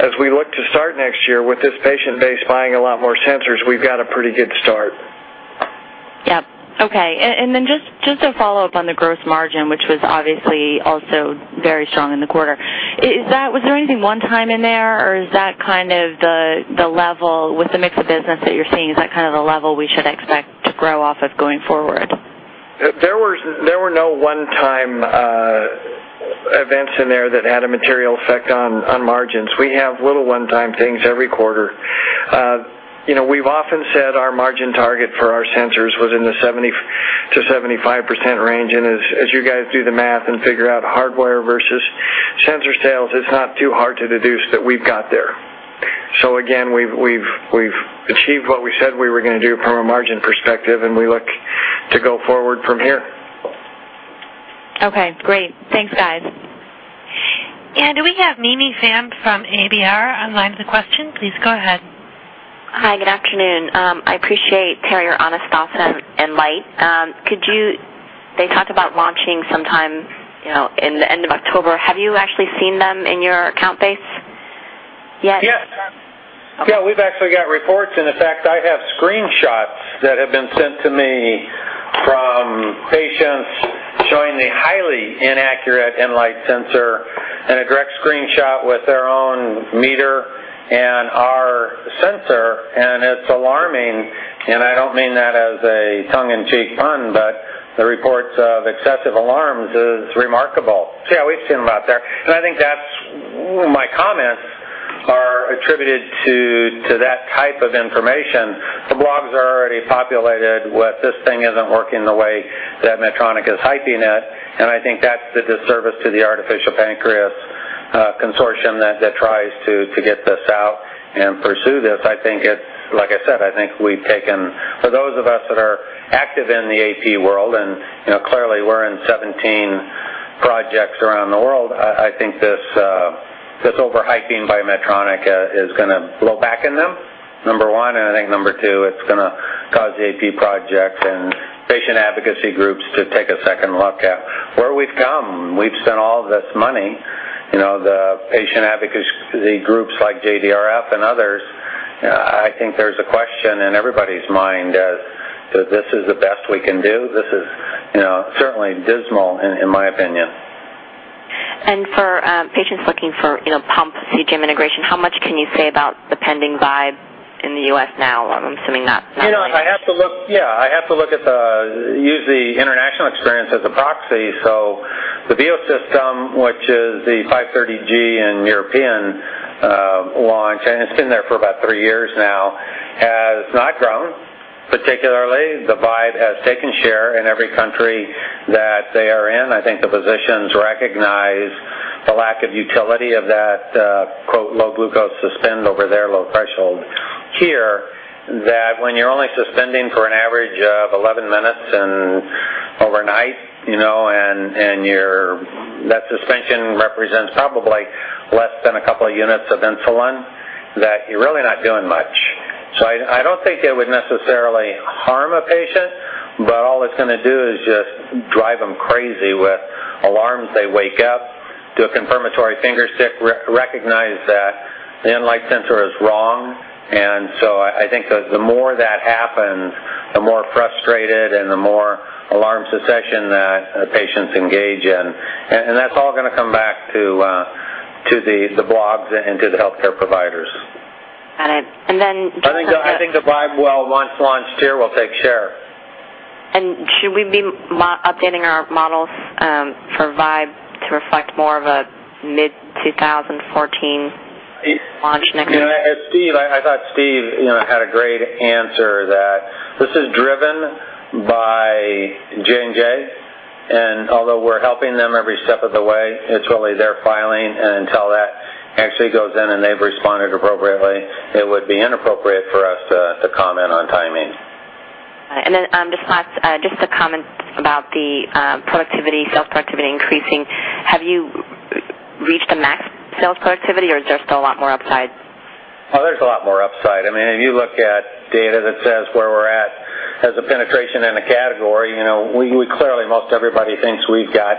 as we look to start next year with this patient base buying a lot more sensors, we've got a pretty good start. Yep. Okay. Just to follow up on the gross margin, which was obviously also very strong in the quarter. Was there anything one-time in there, or is that kind of the level with the mix of business that you're seeing, is that kind of the level we should expect to grow off of going forward? There were no one-time events in there that had a material effect on margins. We have little one-time things every quarter. You know, we've often said our margin target for our sensors was in the 70%-75% range, and as you guys do the math and figure out hardware versus sensor sales, it's not too hard to deduce that we've got there. Again, we've achieved what we said we were gonna do from a margin perspective, and we look to go forward from here. Okay, great. Thanks, guys. Do we have Mimi Pham from ABR on the line with a question? Please go ahead. Hi, good afternoon. I appreciate, Terry, your honest thoughts and insight. They talked about launching sometime, you know, in the end of October. Have you actually seen them in your account base yet? Yes. Okay. Yeah, we've actually got reports, and in fact, I have screenshots that have been sent to me from patients showing the highly inaccurate Enlite sensor and a direct screenshot with their own meter and our sensor, and it's alarming. I don't mean that as a tongue-in-cheek pun, but the reports of excessive alarms is remarkable. Yeah, we've seen them out there. I think that's. My comments are attributed to that type of information. The blogs are already populated with, "This thing isn't working the way that Medtronic is hyping it." I think that's the disservice to the artificial pancreas consortium that tries to get this out and pursue this. I think it's. Like I said, I think we've taken. For those of us that are active in the AP world and, you know, clearly we're in 17 projects around the world, I think this over-hyping by Medtronic is gonna blow back in them, number one. I think number two, it's gonna cause the AP projects, advocacy groups to take a second look at where we've come. We've spent all this money, you know, the patient advocacy groups like JDRF and others. I think there's a question in everybody's mind as that this is the best we can do. This is, you know, certainly dismal in my opinion. For patients looking for, you know, pump CGM integration, how much can you say about the pending Vibe in the U.S. now? You know, I have to look at the international experience as a proxy. The Veo system, which is the 530G in the European launch, and it's been there for about three years now, has not grown. Particularly, the Vibe has taken share in every country that they are in. I think the physicians recognize the lack of utility of that, quote, "low glucose suspend" over their low threshold here, that when you're only suspending for an average of 11 minutes overnight, that suspension represents probably less than a couple of units of insulin that you're really not doing much. I don't think it would necessarily harm a patient, but all it's going to do is just drive them crazy with alarms. They wake up, do a confirmatory finger stick, re-recognize that the Enlite sensor is wrong. I think the more that happens, the more frustrated and the more alarm suppression that the patients engage in. That's all gonna come back to the blogs and to the healthcare providers. Got it. I think the Vibe, well once launched here, will take share. Should we be updating our models for Vibe to reflect more of a mid-2014 launch next year? Steve, I thought Steve you know had a great answer that this is driven by J&J. Although we're helping them every step of the way, it's really their filing. Until that actually goes in and they've responded appropriately, it would be inappropriate for us to comment on timing. Then just a comment about the productivity, sales productivity increasing. Have you reached the max sales productivity or is there still a lot more upside? Well, there's a lot more upside. I mean, if you look at data that says where we're at as a penetration in a category, you know, we clearly, most everybody thinks we've got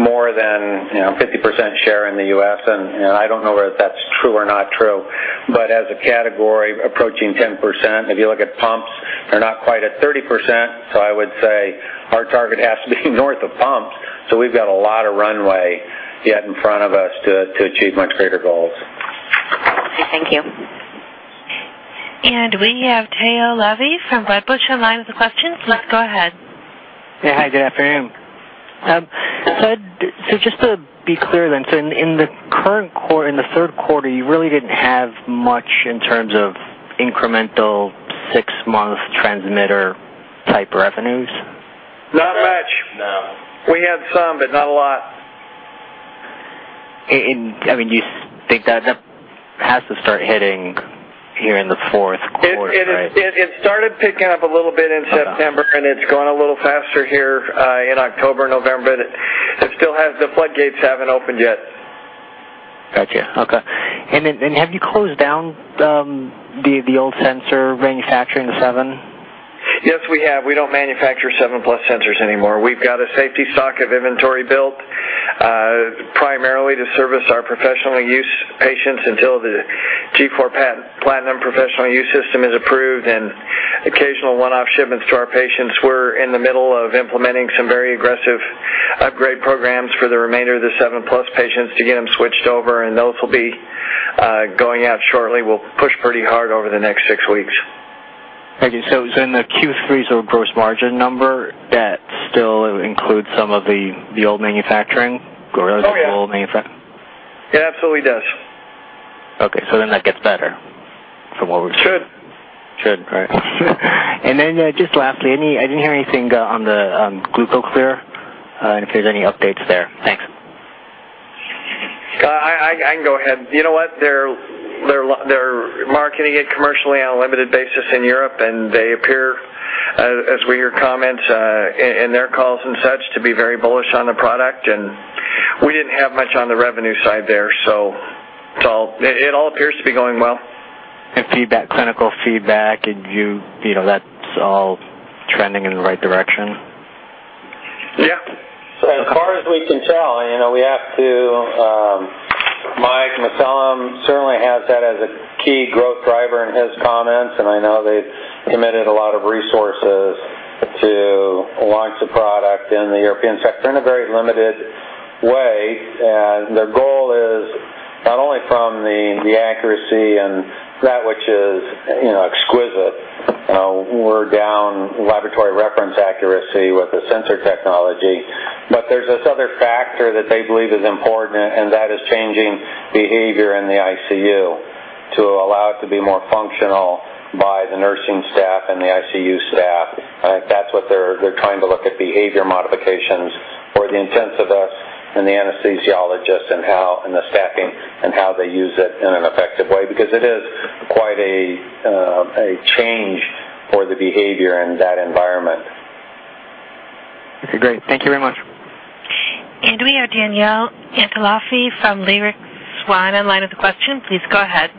more than, you know, 50% share in the US, and, you know, I don't know whether that's true or not true. As a category approaching 10%, if you look at pumps, they're not quite at 30%. I would say our target has to be north of pumps. We've got a lot of runway yet in front of us to achieve much greater goals. Okay, thank you. We have Tao Levy from Wedbush on the line with the questions. Please go ahead. Yeah. Hi, good afternoon. Just to be clear then, in the third quarter, you really didn't have much in terms of incremental six-month transmitter type revenues? Not much. No. We had some, but not a lot. I mean, do you think that has to start hitting here in the fourth quarter? It started picking up a little bit in September, and it's gone a little faster here, in October, November. It still has, the floodgates haven't opened yet. Gotcha. Okay. Have you closed down the old sensor manufacturing, the Seven? Yes, we have. We don't manufacture Seven Plus sensors anymore. We've got a safety stock of inventory built, primarily to service our professional use patients until the G4 Platinum professional use system is approved and occasional one-off shipments to our patients. We're in the middle of implementing some very aggressive upgrade programs for the remainder of the Seven Plus patients to get them switched over, and those will be going out shortly. We'll push pretty hard over the next six weeks. Thank you. As in the Q3's gross margin number, that still includes some of the old manufacturing. Oh, yeah. It absolutely does. Okay. That gets better from what we've seen. Should. Should. Right. Just lastly, I didn't hear anything on the GlucoClear, and if there's any updates there. Thanks. I can go ahead. You know what? They're marketing it commercially on a limited basis in Europe, and they appear, as we hear comments in their calls and such, to be very bullish on the product. We didn't have much on the revenue side there. It all appears to be going well. Clinical feedback, do you know that's all trending in the right direction? Yeah. As far as we can tell, you know, we have to, Mike McMullen certainly has that as a key growth driver in his comments, and I know they've committed a lot of resources to launch the product in the European sector in a very limited way. Their goal is not only from the accuracy and that which is, you know, exquisite. You know, we're down to laboratory reference accuracy with the sensor technology. But there's this other factor that they believe is important, and that is changing behavior in the ICU to allow it to be more functional by the nursing staff and the ICU staff. That's what they're trying to look at behavior modifications for the intensivists and the anesthesiologists and the staffing and how they use it in an effective way. Because it is quite a change for the behavior in that environment. Okay, great. Thank you very much. We have Danielle Antalffy from Leerink Swann in line with a question. Please go ahead.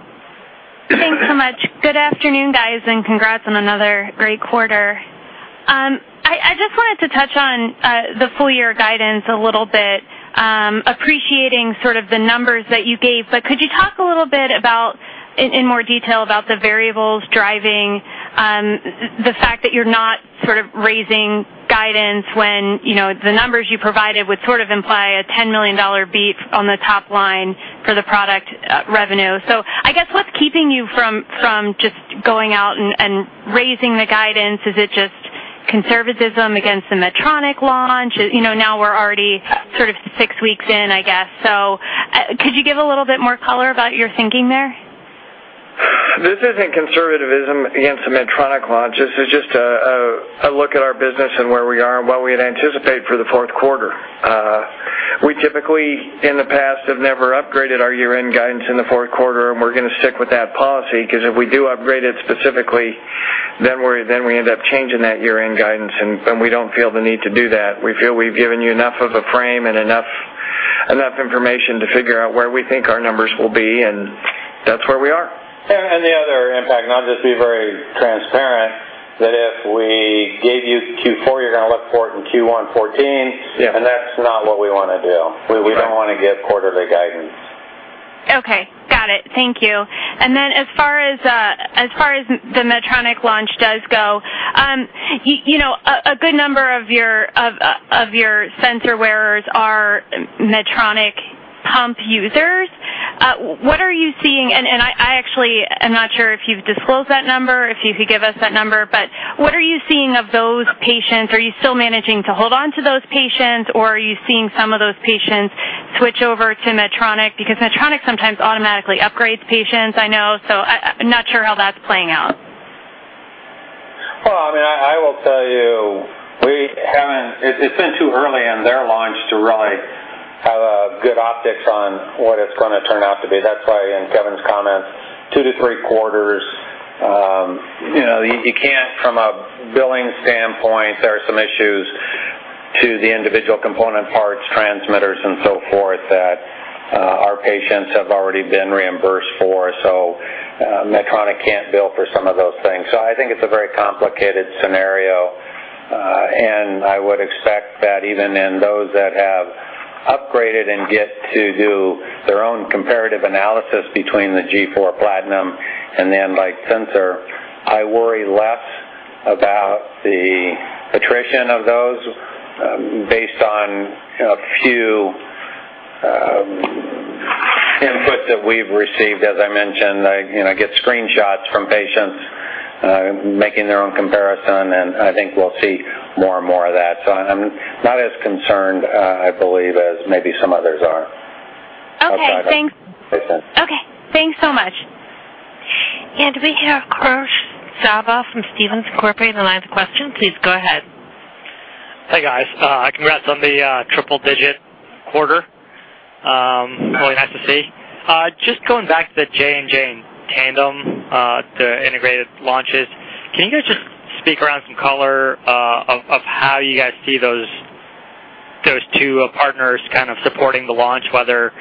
Thanks so much. Good afternoon, guys, and congrats on another great quarter. I just wanted to touch on the full year guidance a little bit, appreciating sort of the numbers that you gave. Could you talk a little bit about, in more detail about the variables driving the fact that you're not sort of raising guidance when, you know, the numbers you provided would sort of imply a $10 million beat on the top line for the product revenue. I guess what's keeping you from just going out and raising the guidance? Is it just conservatism against the Medtronic launch? You know, now we're already sort of six weeks in, I guess. Could you give a little bit more color about your thinking there? This isn't conservatism against the Medtronic launch. This is just a look at our business and where we are and what we had anticipated for the fourth quarter. We typically in the past have never upgraded our year-end guidance in the fourth quarter, and we're gonna stick with that policy, 'cause if we do upgrade it specifically, then we end up changing that year-end guidance, and we don't feel the need to do that. We feel we've given you enough of a frame and enough information to figure out where we think our numbers will be, and that's where we are. The other impact, and I'll just be very transparent, that if we gave you Q4, you're gonna look for it in Q1 2014. Yeah. That's not what we wanna do. Right. We don't wanna give quarterly guidance. Okay. Got it. Thank you. As far as the Medtronic launch does go, you know, a good number of your sensor wearers are Medtronic pump users. What are you seeing? I actually am not sure if you've disclosed that number, if you could give us that number. What are you seeing of those patients? Are you still managing to hold onto those patients, or are you seeing some of those patients switch over to Medtronic? Because Medtronic sometimes automatically upgrades patients, I know. I'm not sure how that's playing out. I mean, I will tell you, it's been too early in their launch to really have a good optics on what it's gonna turn out to be. That's why in Kevin's comments, two to three quarters. You know, you can't from a billing standpoint, there are some issues to the individual component parts, transmitters and so forth that our patients have already been reimbursed for. So Medtronic can't bill for some of those things. So I think it's a very complicated scenario. I would expect that even in those that have upgraded and get to do their own comparative analysis between the G4 Platinum and the Enlite sensor, I worry less about the attrition of those based on a few input that we've received. As I mentioned, I, you know, get screenshots from patients, making their own comparison, and I think we'll see more and more of that. I'm not as concerned, I believe, as maybe some others are. Okay. Thanks. Okay, thanks so much. We have Korosh Saba from Stephens Inc in line with a question. Please go ahead. Hey, guys. Congrats on the triple digit quarter. Really nice to see. Just going back to the J&J and Tandem, the integrated launches. Can you guys just speak around some color of how you guys see those two partners kind of supporting the launch, whether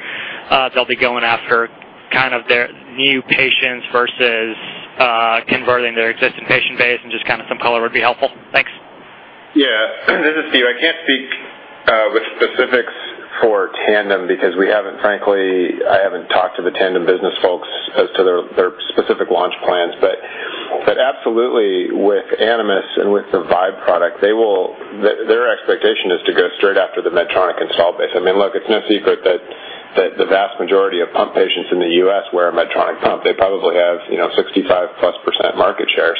they'll be going after kind of their new patients versus converting their existing patient base, and just kind of some color would be helpful. Thanks. Yeah. This is Steve. I can't speak with specifics for Tandem because we haven't, frankly, I haven't talked to the Tandem business folks as to their specific launch plans. Absolutely, with Animas and with the Vibe product, they will. Their expectation is to go straight after the Medtronic installed base. I mean, look, it's no secret that the vast majority of pump patients in the U.S. wear a Medtronic pump. They probably have, you know, 65%+ market share.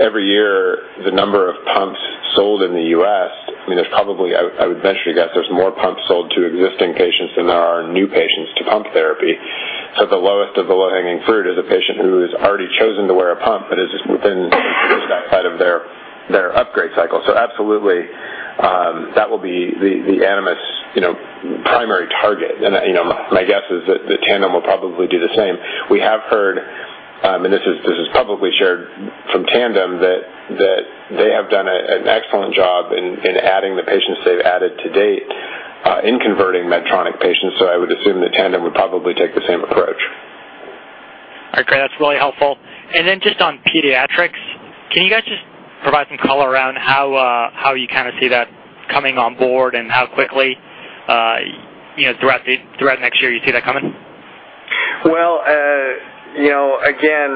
Every year, the number of pumps sold in the U.S., I mean, there's probably. I would venture to guess there's more pumps sold to existing patients than there are new patients to pump therapy. The lowest of the low-hanging fruit is a patient who has already chosen to wear a pump but is just within that part of their upgrade cycle. Absolutely, that will be the Animas, you know, primary target. I, you know, my guess is that Tandem will probably do the same. We have heard, and this is publicly shared from Tandem, that they have done an excellent job in adding the patients they've added to date, in converting Medtronic patients. I would assume that Tandem would probably take the same approach. Okay. That's really helpful. Just on pediatrics, can you guys just provide some color around how you kinda see that coming on board and how quickly, you know, throughout next year you see that coming? Well, you know, again,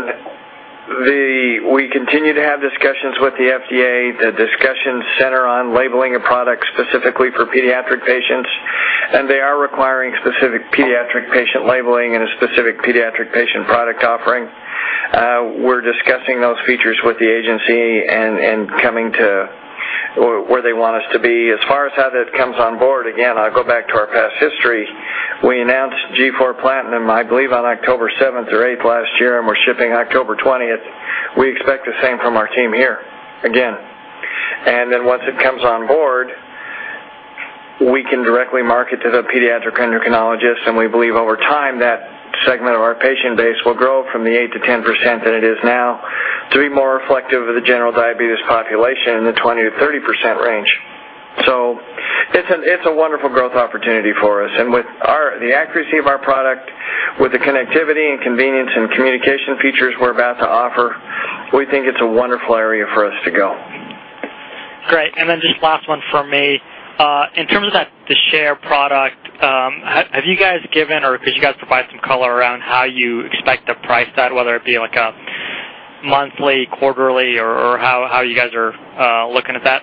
we continue to have discussions with the FDA. The discussions center on labeling a product specifically for pediatric patients. They are requiring specific pediatric patient labeling and a specific pediatric patient product offering. We're discussing those features with the agency and coming to where they want us to be. As far as how that comes on board, again, I'll go back to our past history. We announced G4 Platinum, I believe, on October 7th or 8th last year, and we're shipping October 20th. We expect the same from our team here again. Once it comes on board, we can directly market to the pediatric endocrinologist. We believe over time, that segment of our patient base will grow from the 8%-10% that it is now to be more reflective of the general diabetes population in the 20%-30% range. It's a wonderful growth opportunity for us. With the accuracy of our product, with the connectivity and convenience and communication features we're about to offer, we think it's a wonderful area for us to go. Great. Just last one from me. In terms of that, the Share product, have you guys given or could you guys provide some color around how you expect to price that, whether it be like a monthly, quarterly or how you guys are looking at that?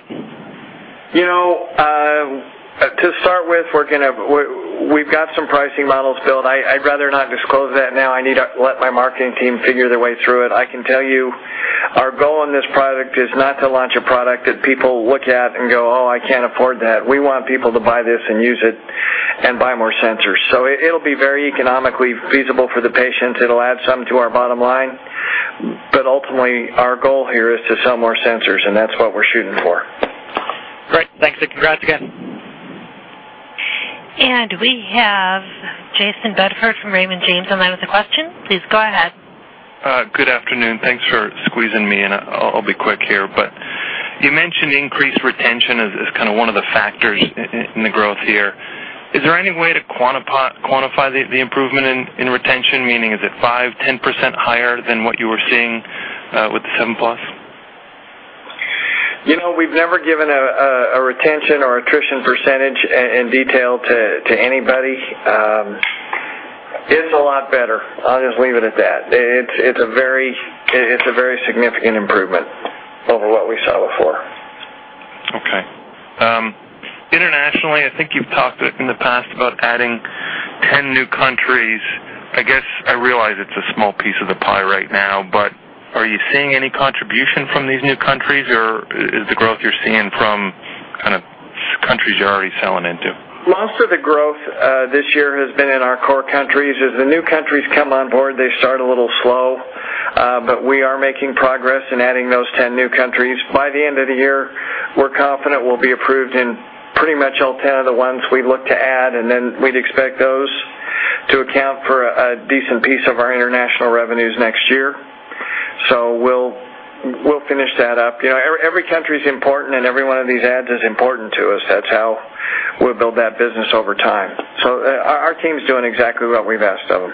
You know, to start with, we've got some pricing models built. I'd rather not disclose that now. I need to let my marketing team figure their way through it. I can tell you our goal in this product is not to launch a product that people look at and go, "Oh, I can't afford that." We want people to buy this and use it and buy more sensors. It'll be very economically feasible for the patients. It'll add some to our bottom line. Ultimately, our goal here is to sell more sensors, and that's what we're shooting for. Great. Thanks, and congrats again. We have Jayson Bedford from Raymond James on line with a question. Please go ahead. Good afternoon. Thanks for squeezing me in. I'll be quick here. You mentioned increased retention as kind of one of the factors in the growth here. Is there any way to quantify the improvement in retention? Meaning, is it 5%-10% higher than what you were seeing with the Seven Plus? You know, we've never given a retention or attrition percentage in detail to anybody. It's a lot better. I'll just leave it at that. It's a very significant improvement over what we saw before. Okay. Internationally, I think you've talked in the past about adding 10 new countries. I guess I realize it's a small piece of the pie right now, but are you seeing any contribution from these new countries? Or is the growth you're seeing from kind of countries you're already selling into? Most of the growth this year has been in our core countries. As the new countries come on board, they start a little slow, but we are making progress in adding those 10 new countries. By the end of the year, we're confident we'll be approved in pretty much all 10 of the ones we look to add, and then we'd expect those to account for a decent piece of our international revenues next year. We'll finish that up. You know, every country is important, and every one of these adds is important to us. That's how we'll build that business over time. Our team's doing exactly what we've asked of them.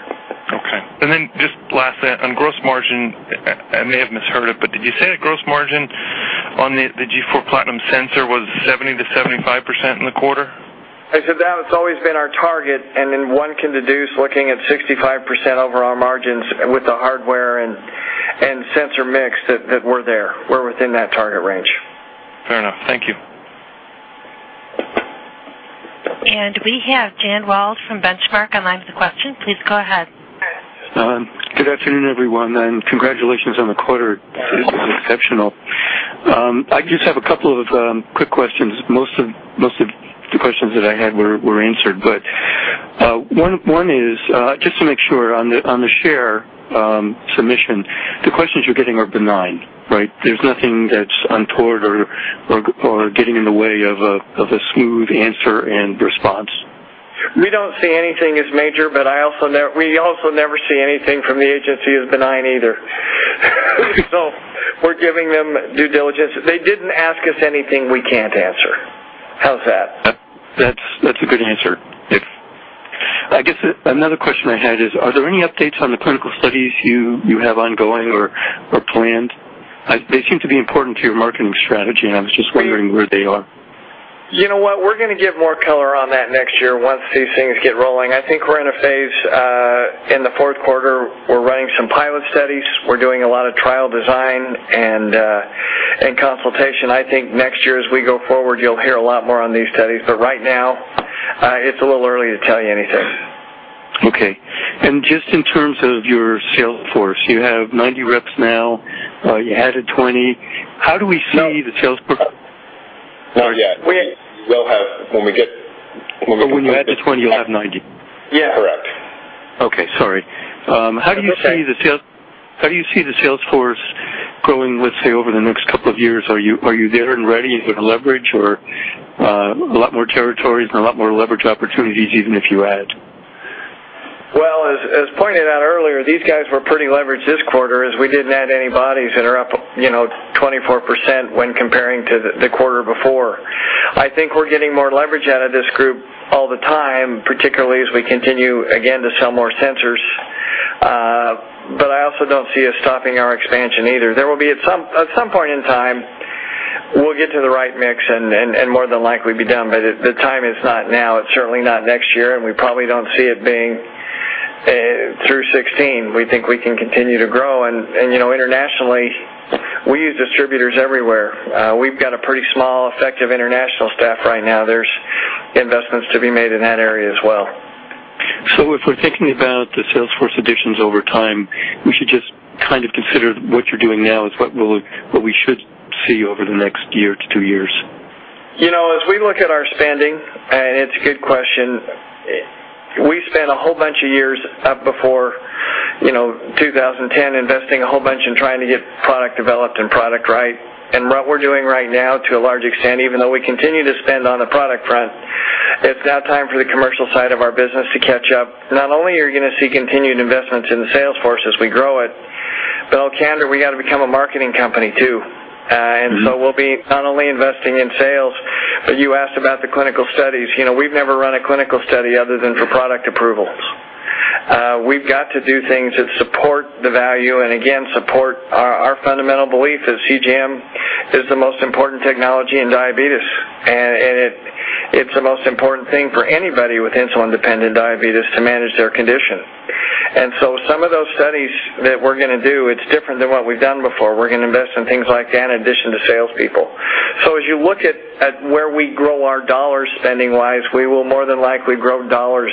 Okay. Then just last, on gross margin, I may have misheard it, but did you say that gross margin on the G4 Platinum sensor was 70%-75% in the quarter? I said that's always been our target. One can deduce looking at 65% overall margins with the hardware and sensor mix that we're there. We're within that target range. Fair enough. Thank you. We have Dan Wallace from Benchmark on line with a question. Please go ahead. Good afternoon, everyone, and congratulations on the quarter. It is exceptional. I just have a couple of quick questions. Most of the questions that I had were answered. One is just to make sure on the share submission, the questions you're getting are benign, right? There's nothing that's untoward or getting in the way of a smooth answer and response. We don't see anything as major, but we also never see anything from the agency as benign either. We're giving them due diligence. They didn't ask us anything we can't answer. How's that? That's a good answer. Thanks. I guess another question I had is, are there any updates on the clinical studies you have ongoing or planned? They seem to be important to your marketing strategy, and I was just wondering where they are. You know what? We're gonna give more color on that next year once these things get rolling. I think we're in a phase in the fourth quarter. We're running some pilot studies. We're doing a lot of trial design and consultation. I think next year as we go forward, you'll hear a lot more on these studies. Right now, it's a little early to tell you anything. Okay. Just in terms of your sales force, you have 90 reps now. You added 20. How do we see the sales per Not yet. When we get When you add the 20, you'll have 90. Yeah. Correct. Okay, sorry. That's okay. How do you see the sales force growing, let's say, over the next couple of years? Are you there and ready with leverage or a lot more territories and a lot more leverage opportunities even if you add? As pointed out earlier, these guys were pretty leveraged this quarter as we didn't add any bodies and are up, you know, 24% when comparing to the quarter before. I think we're getting more leverage out of this group all the time, particularly as we continue, again, to sell more sensors. I also don't see us stopping our expansion either. There will be at some point in time we'll get to the right mix and more than likely be done. The time is not now. It's certainly not next year, and we probably don't see it being through 2016. We think we can continue to grow. You know, internationally, we use distributors everywhere. We've got a pretty small, effective international staff right now. There's investments to be made in that area as well. If we're thinking about the sales force additions over time, we should just kind of consider what you're doing now is what we should see over the next year to two years. You know, as we look at our spending, and it's a good question, we spent a whole bunch of years up before, you know, 2010 investing a whole bunch in trying to get product developed and product right. What we're doing right now to a large extent, even though we continue to spend on the product front. It's now time for the commercial side of our business to catch up. Not only are you gonna see continued investments in the sales force as we grow it, but in all candor, we got to become a marketing company, too. We'll be not only investing in sales, but you asked about the clinical studies. You know, we've never run a clinical study other than for product approvals. We've got to do things that support the value and again, support our fundamental belief that CGM is the most important technology in diabetes. It is the most important thing for anybody with insulin-dependent diabetes to manage their condition. Some of those studies that we're gonna do, it's different than what we've done before. We're gonna invest in things like that in addition to salespeople. As you look at where we grow our dollars spending-wise, we will more than likely grow dollars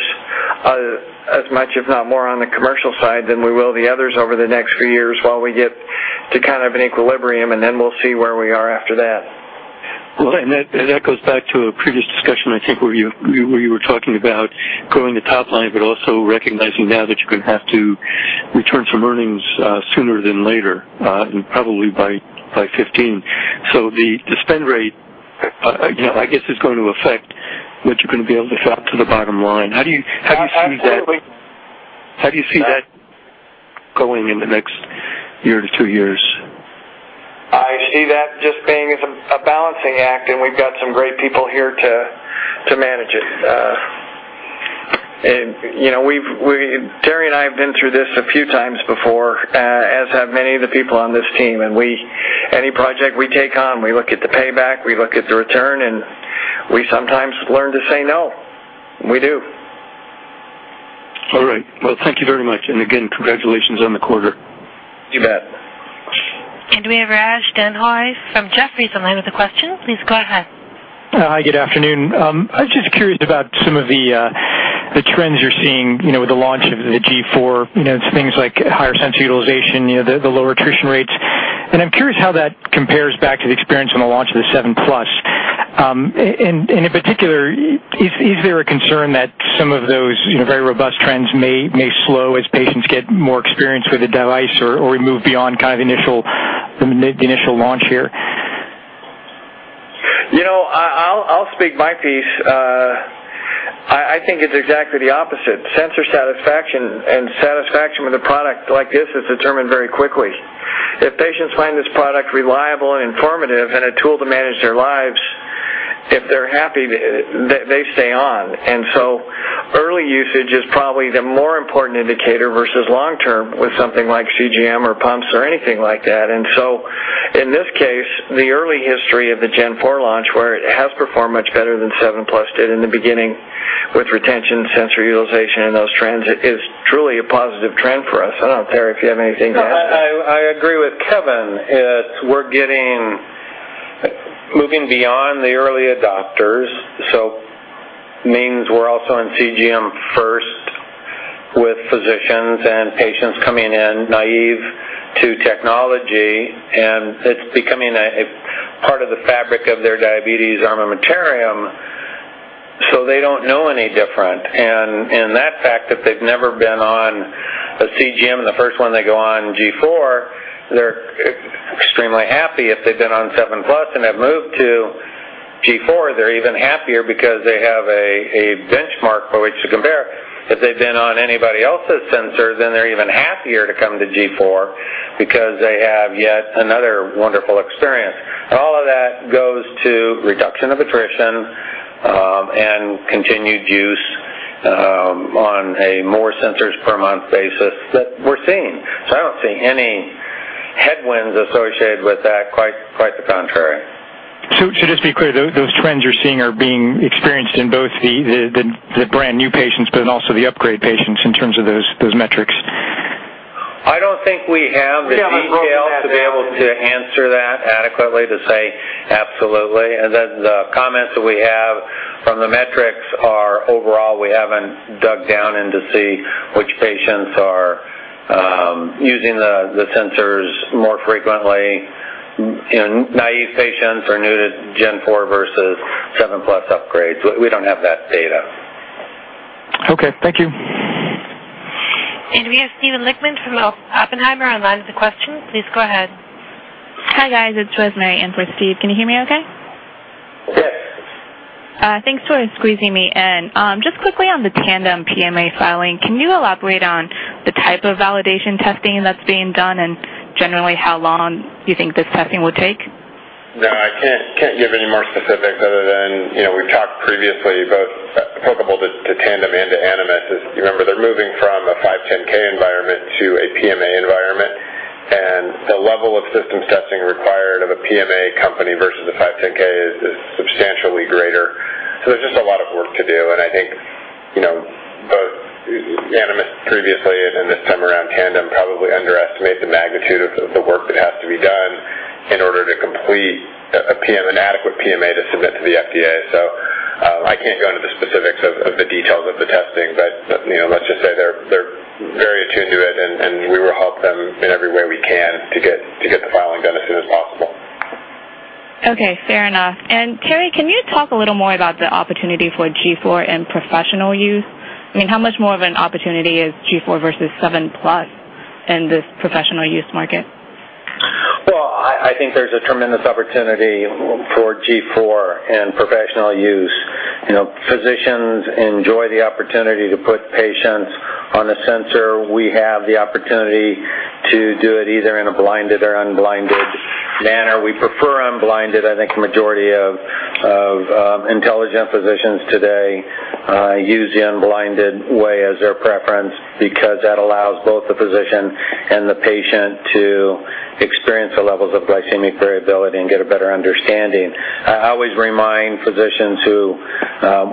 as much, if not more, on the commercial side than we will the others over the next few years while we get to kind of an equilibrium, and then we'll see where we are after that. Well, that goes back to a previous discussion, I think, where you were talking about growing the top line, but also recognizing now that you're gonna have to return some earnings, sooner than later, and probably by 2015. The spend rate, you know, I guess, is going to affect what you're gonna be able to drop to the bottom line. How do you see that? Absolutely. How do you see that going in the next year to two years? I see that just being a balancing act, and we've got some great people here to manage it. You know, Terry and I have been through this a few times before, as have many of the people on this team. Any project we take on, we look at the payback, we look at the return, and we sometimes learn to say no. We do. All right. Well, thank you very much. Again, congratulations on the quarter. You bet. We have Raj Denhoy from Jefferies on the line with a question. Please go ahead. Hi, good afternoon. I was just curious about some of the trends you're seeing, you know, with the launch of the G4. You know, it's things like higher sensor utilization, you know, the lower attrition rates. I'm curious how that compares back to the experience on the launch of the Seven Plus. In particular, is there a concern that some of those, you know, very robust trends may slow as patients get more experience with the device or we move beyond kind of the initial launch here? You know, I'll speak my piece. I think it's exactly the opposite. Sensor satisfaction and satisfaction with a product like this is determined very quickly. If patients find this product reliable and informative and a tool to manage their lives, if they're happy, they stay on. Early usage is probably the more important indicator versus long term with something like CGM or pumps or anything like that. In this case, the early history of the G4 launch, where it has performed much better than Seven Plus did in the beginning with retention, sensor utilization, and those trends, it is truly a positive trend for us. I don't know, Terry, if you have anything to add to that. I agree with Kevin. We're moving beyond the early adopters, so means we're also in CGM first with physicians and patients coming in naive to technology, and it's becoming a part of the fabric of their diabetes armamentarium, so they don't know any different. That fact that they've never been on a CGM, and the first one they go on, G4, they're extremely happy. If they've been on Seven Plus and have moved to G4, they're even happier because they have a benchmark by which to compare. If they've been on anybody else's sensor, then they're even happier to come to G4 because they have yet another wonderful experience. All of that goes to reduction of attrition, and continued use, on a more sensors per month basis that we're seeing. I don't see any headwinds associated with that. Quite, quite the contrary. Just to be clear, those trends you're seeing are being experienced in both the brand-new patients but also in the upgrade patients in terms of those metrics? I don't think we have the detail. We haven't broken that down. To be able to answer that adequately to say absolutely. The comments that we have from the metrics are overall, we haven't dug down into to see which patients are using the sensors more frequently. You know, naive patients or new to G4 versus Seven Plus upgrades. We don't have that data. Okay. Thank you. We have Steven Lichtman from Oppenheimer on line with a question. Please go ahead. Hi, guys. It's Rosemary in for Steve. Can you hear me okay? Yes. Thanks for squeezing me in. Just quickly on the Tandem PMA filing, can you elaborate on the type of validation testing that's being done and generally how long you think this testing will take? No, I can't give any more specifics other than, you know, we've talked previously, both applicable to Tandem and to Animas. Remember, they're moving from a 510(k) environment to a PMA environment. The level of systems testing required of a PMA company versus a 510(k) is substantially greater. There's just a lot of work to do. I think, you know, both Animas previously and this time around Tandem probably underestimate the magnitude of the work that has to be done in order to complete an adequate PMA to submit to the FDA. I can't go into the specifics of the details of the testing, but you know, let's just say they're very attuned to it, and we will help them in every way we can to get the filing done as soon as possible. Okay. Fair enough. Terry, can you talk a little more about the opportunity for G4 in professional use? I mean, how much more of an opportunity is G4 versus Seven Plus in this professional use market? Well, I think there's a tremendous opportunity for G4 and professional use. You know, physicians enjoy the opportunity to put patients on a sensor. We have the opportunity to do it either in a blinded or unblinded manner. We prefer unblinded. I think a majority of intelligent physicians today use the unblinded way as their preference because that allows both the physician and the patient to experience the levels of glycemic variability and get a better understanding. I always remind physicians who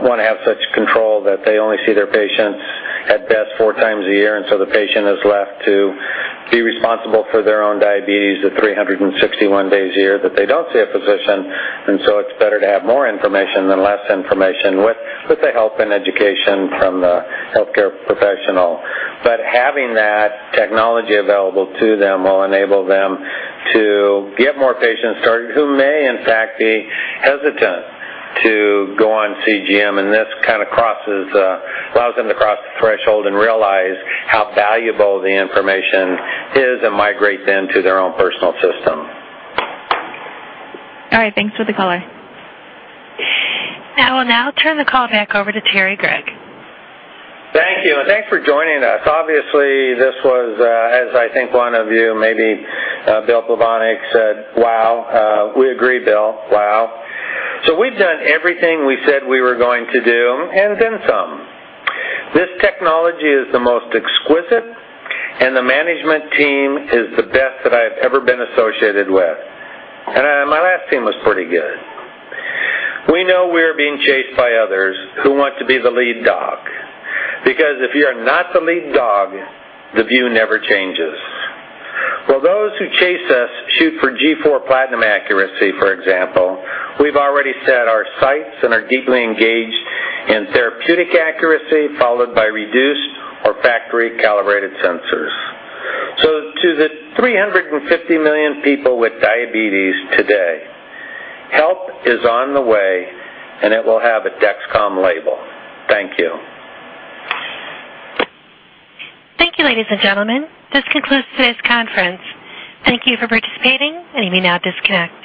wanna have such control that they only see their patients at best four times a year, and so the patient is left to be responsible for their own diabetes the 361 days a year that they don't see a physician. It's better to have more information than less information with the help and education from the healthcare professional. Having that technology available to them will enable them to get more patients started who may in fact be hesitant to go on CGM, and allows them to cross the threshold and realize how valuable the information is and migrate then to their own personal system. All right, thanks for the color. I will now turn the call back over to Terrance Gregg. Thank you, and thanks for joining us. Obviously, this was, as I think one of you, maybe, Bill Plovanic said, "Wow." We agree, Bill. Wow. We've done everything we said we were going to do, and then some. This technology is the most exquisite, and the management team is the best that I have ever been associated with, and my last team was pretty good. We know we're being chased by others who want to be the lead dog because if you're not the lead dog, the view never changes. While those who chase us shoot for G4 Platinum accuracy, for example, we've already set our sights and are deeply engaged in therapeutic accuracy, followed by reduced or factory-calibrated sensors. To the 350 million people with diabetes today, help is on the way, and it will have a Dexcom label. Thank you. Thank you, ladies and gentlemen. This concludes today's conference. Thank you for participating. You may now disconnect.